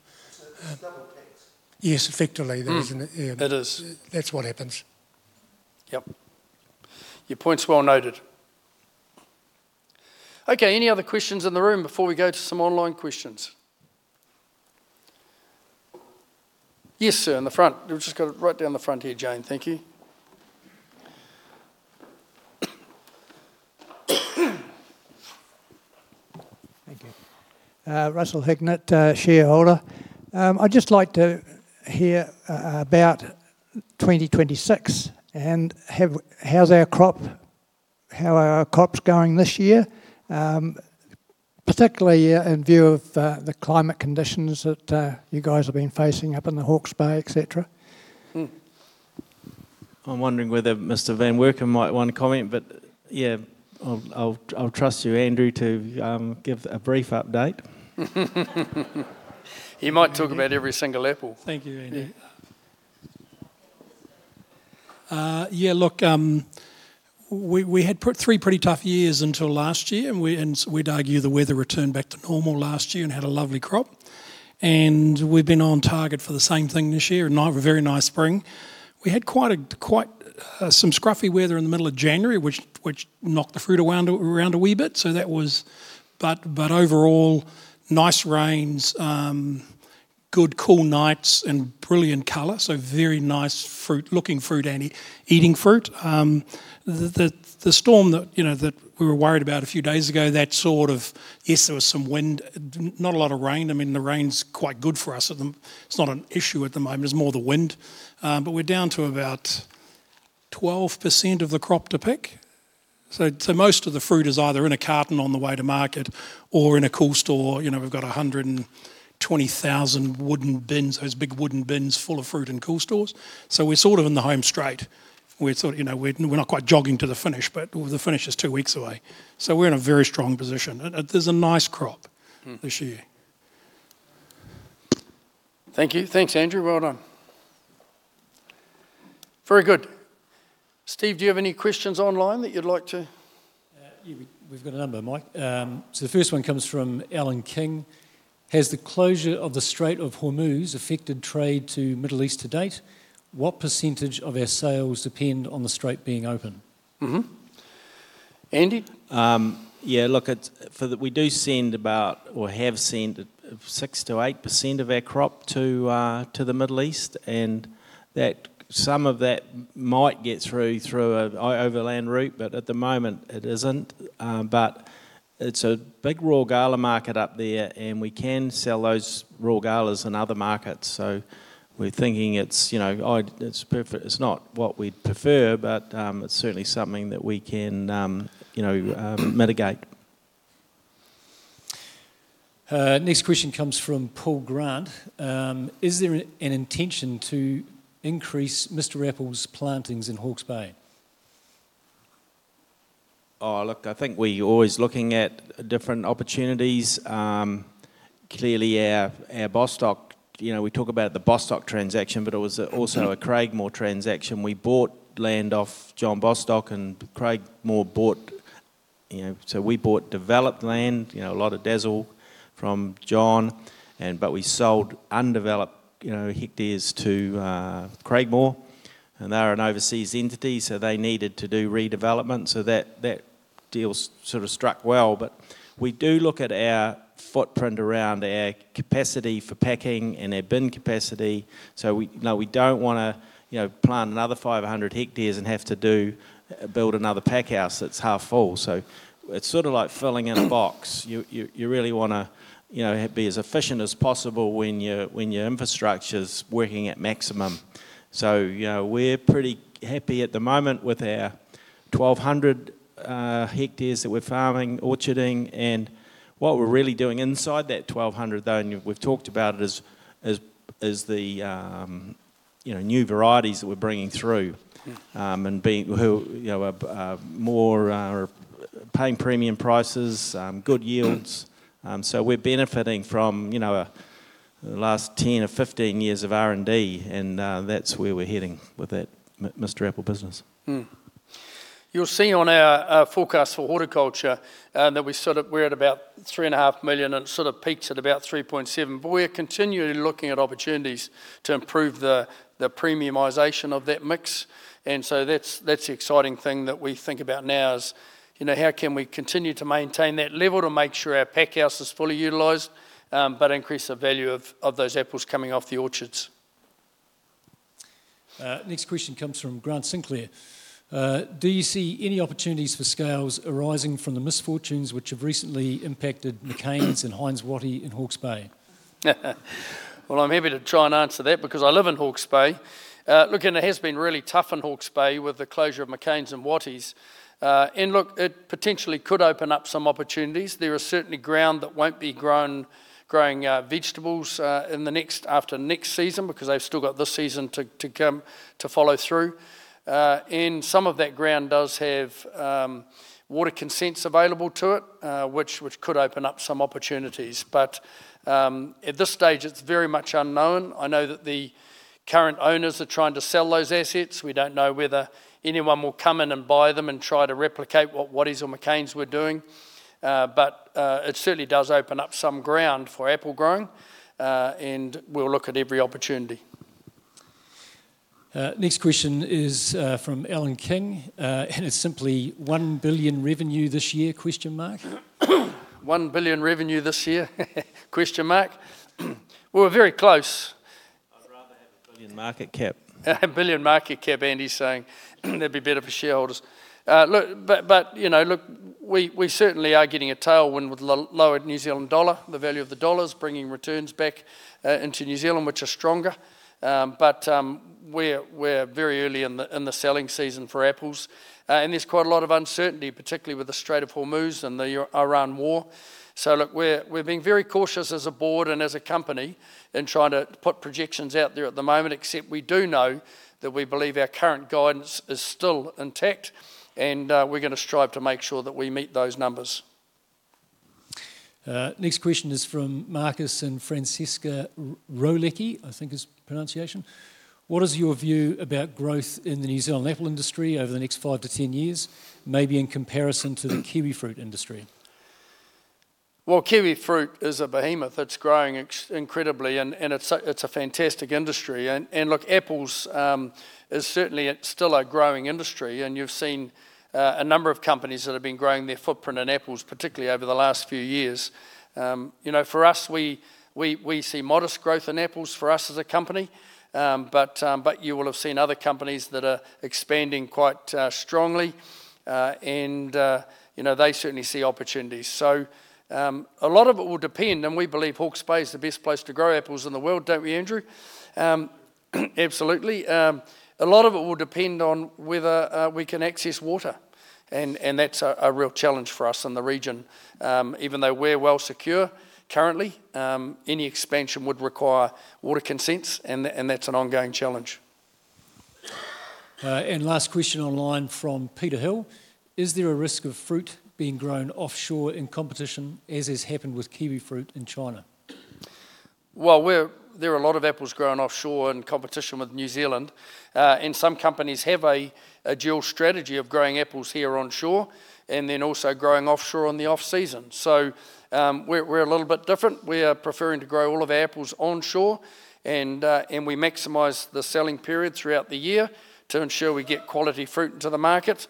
It's double tax. Yes, effectively. It is. That's what happens. Yep. Your point's well noted. Okay, any other questions in the room before we go to some online questions? Yes, sir. In the front. We've just got it right down the front here, Jane. Thank you. Thank you. Russell Hignett, Shareholder. I'd just like to hear about 2026. How are our crops going this year, particularly in view of the climate conditions that you guys have been facing up in the Hawke's Bay, et cetera? I'm wondering whether Mr. van Workum might want to comment, but yeah, I'll trust you, Andrew, to give a brief update. He might talk about every single apple. Thank you, Andrew. Yeah. Yeah. Yeah, look, we had three pretty tough years until last year, and we'd argue the weather returned back to normal last year and had a lovely crop. We've been on target for the same thing this year, and have a very nice spring. We had some scruffy weather in the middle of January, which knocked the fruit around a wee bit. Overall, nice rains, good cool nights, and brilliant color, so very nice-looking fruit and eating fruit. The storm that we were worried about a few days ago, yes, there was some wind, not a lot of rain. The rain's quite good for us. It's not an issue at the moment. It's more the wind. We're down to about 12% of the crop to pick, so most of the fruit is either in a carton on the way to market or in a cool store. We've got 120,000 wooden bins, those big wooden bins full of fruit in cool stores. We're sort of in the home straight. We're not quite jogging to the finish, but the finish is two weeks away. We're in a very strong position. There's a nice crop this year. Thank you. Thanks, Andrew. Well done. Very good. Steve, do you have any questions online that you'd like to. Yeah. We've got a number, Mike. The first one comes from Alan King. Has the closure of the Strait of Hormuz affected trade to Middle East to date? What % of our sales depend on the Strait being open? Andy? Yeah, look, we do send about or have sent 6%-8% of our crop to the Middle East, and some of that might get through an overland route, but at the moment it isn't. It's a big Royal Gala market up there, and we can sell those raw Galas in other markets. We're thinking it's not what we'd prefer, but it's certainly something that we can mitigate. Next question comes from Paul Grant. Is there an intention to increase Mr Apple's plantings in Hawke's Bay? Oh, look, I think we're always looking at different opportunities. Clearly, our Bostock, we talk about the Bostock transaction, but it was also a Craigmore transaction. We bought land off John Bostock, and Craigmore bought. So we bought developed land, a lot of Dazzle from John, but we sold undeveloped hectares to Craigmore, and they're an overseas entity, so they needed to do redevelopment. So that deal sort of struck well. But we do look at our footprint around our capacity for packing and our bin capacity. So we don't want to plant another 500 hectares and have to build another pack house that's half full. So it's sort of like filling in a box. You really want to be as efficient as possible when your infrastructure's working at maximum. So, we're pretty happy at the moment with our 1,200 hectares that we're farming, orcharding, and what we're really doing inside that 1,200, though, and we've talked about it, is the new varieties that we're bringing through, and paying premium prices, good yields. So we're benefiting from the last 10 or 15 years of R&D, and that's where we're heading with that Mr Apple business. You'll see on our forecast for Horticulture that we're at about 3.5 million, and it sort of peaks at about 3.7. We're continually looking at opportunities to improve the premiumization of that mix. That's the exciting thing that we think about now is, how can we continue to maintain that level to make sure our packhouse is fully utilized, but increase the value of those apples coming off the orchards? Next question comes from Grant Sinclair. Do you see any opportunities for Scales arising from the misfortunes which have recently impacted McCain's and Heinz Wattie's in Hawke's Bay? Well, I'm happy to try and answer that because I live in Hawke's Bay. Look, it has been really tough in Hawke's Bay with the closure of McCain's and Wattie's. Look, it potentially could open up some opportunities. There is certainly ground that won't be growing vegetables after next season because they've still got this season to come to follow through. Some of that ground does have water consents available to it, which could open up some opportunities. At this stage, it's very much unknown. I know that the current owners are trying to sell those assets. We don't know whether anyone will come in and buy them and try to replicate what Wattie's or McCain's were doing. It certainly does open up some ground for apple growing, and we'll look at every opportunity. Next question is from Alan King, and it's simply 1 billion revenue this year? 1 billion revenue this year? We're very close. I'd rather have a 1 billion market cap. 1 billion market cap, Andy's saying. That'd be better for shareholders. Look, we certainly are getting a tailwind with the lowered New Zealand dollar. The value of the dollar is bringing returns back into New Zealand, which are stronger. We're very early in the selling season for apples. There's quite a lot of uncertainty, particularly with the Strait of Hormuz and the Iran war. Look, we're being very cautious as a board and as a company in trying to put projections out there at the moment. Except we do know that we believe our current guidance is still intact, and we're going to strive to make sure that we meet those numbers. Next question is from Marcus and Franziska Roleke, I think is the pronunciation. What is your view about growth in the New Zealand apple industry over the next five to 10 years, maybe in comparison to the kiwifruit industry? Well, kiwifruit is a behemoth. It's growing incredibly, and it's a fantastic industry. Look, apples is certainly still a growing industry, and you've seen a number of companies that have been growing their footprint in apples, particularly over the last few years. For us, we see modest growth in apples for us as a company, but you will have seen other companies that are expanding quite strongly. They certainly see opportunities. A lot of it will depend, and we believe Hawke's Bay is the best place to grow apples in the world, don't we, Andrew? Absolutely. A lot of it will depend on whether we can access water, and that's a real challenge for us in the region. Even though we're well secure currently, any expansion would require water consents, and that's an ongoing challenge. Last question online from Peter Hill. Is there a risk of fruit being grown offshore in competition, as has happened with kiwifruit in China? Well, there are a lot of apples grown offshore in competition with New Zealand. Some companies have a dual strategy of growing apples here onshore, and then also growing offshore in the off-season. We're a little bit different. We are preferring to grow all of our apples onshore, and we maximize the selling period throughout the year to ensure we get quality fruit into the market.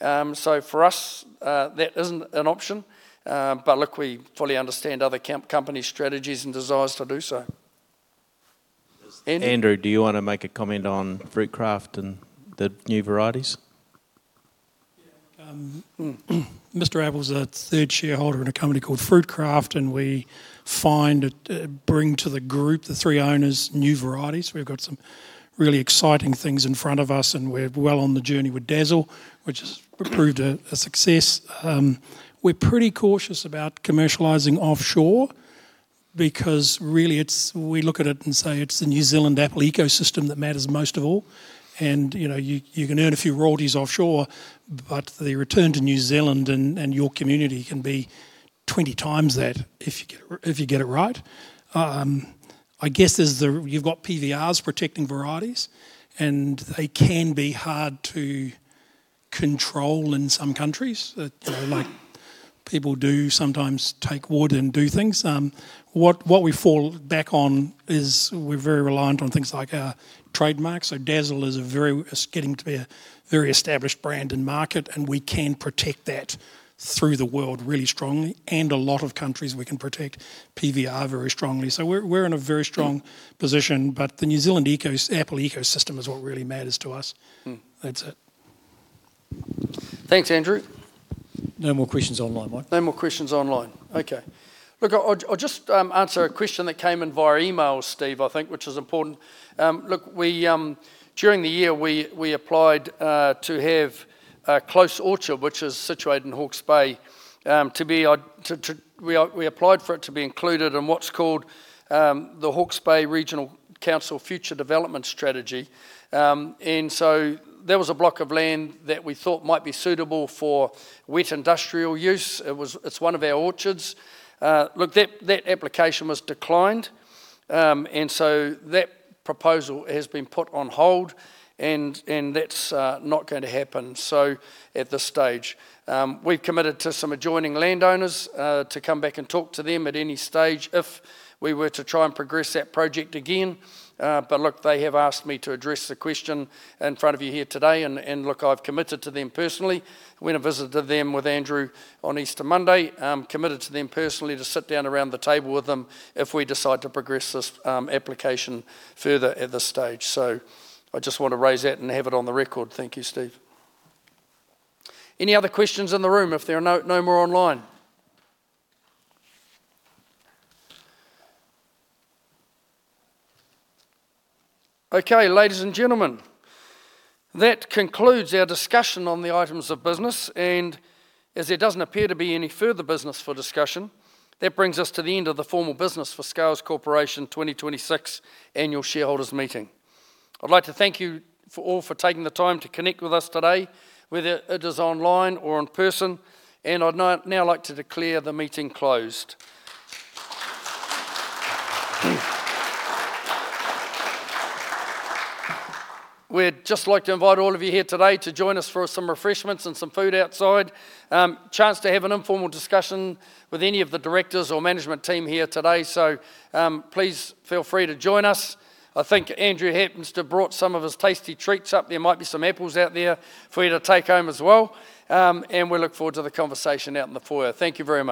For us, that isn't an option. Look, we fully understand other company strategies and desires to do so. Andy? Andrew, do you want to make a comment on Fruitcraft and the new varieties? Yeah. Mr Apple's a 1/3 shareholder in a company called Fruitcraft, and we find it bring to the group, the three owners, new varieties. We've got some really exciting things in front of us, and we're well on the journey with Dazzle, which has proved a success. We're pretty cautious about commercializing offshore because really, we look at it and say it's the New Zealand apple ecosystem that matters most of all. You can earn a few royalties offshore, but the return to New Zealand and your community can be 20 times that if you get it right. I guess you've got PVRs protecting varieties, and they can be hard to control in some countries. Like, people do sometimes take wood and do things. What we fall back on is we're very reliant on things like our trademarks. Dazzle is getting to be a very established brand and market, and we can protect that through the world really strongly. A lot of countries, we can protect PVR very strongly. We're in a very strong position, but the New Zealand apple ecosystem is what really matters to us. That's it. Thanks, Andrew. No more questions online, Mike. No more questions online. Okay. Look, I'll just answer a question that came in via email, Steve, I think, which is important. Look, during the year, we applied to have Close Orchard, which is situated in Hawke's Bay, included in what's called the Hawke's Bay Regional Council Future Development Strategy. There was a block of land that we thought might be suitable for wet industrial use. It's one of our orchards. Look, that application was declined, and so that proposal has been put on hold, and that's not going to happen at this stage. We've committed to some adjoining landowners to come back and talk to them at any stage if we were to try and progress that project again. But look, they have asked me to address the question in front of you here today, and look, I've committed to them personally. I went and visited them with Andrew on Easter Monday. I'm committed to them personally to sit down around the table with them if we decide to progress this application further at this stage. So, I just want to raise that and have it on the record. Thank you, Steve. Any other questions in the room if there are no more online? Okay, ladies and gentlemen, that concludes our discussion on the items of business. And as there doesn't appear to be any further business for discussion, that brings us to the end of the formal business for Scales Corporation 2026 annual shareholders meeting. I'd like to thank you all for taking the time to connect with us today, whether it is online or in person, and I'd now like to declare the meeting closed. We'd just like to invite all of you here today to join us for some refreshments and some food outside. Chance to have an informal discussion with any of the Directors or Management Team here today. Please feel free to join us. I think Andrew happens to have brought some of his tasty treats up. There might be some apples out there for you to take home as well. We look forward to the conversation out in the foyer. Thank you very much.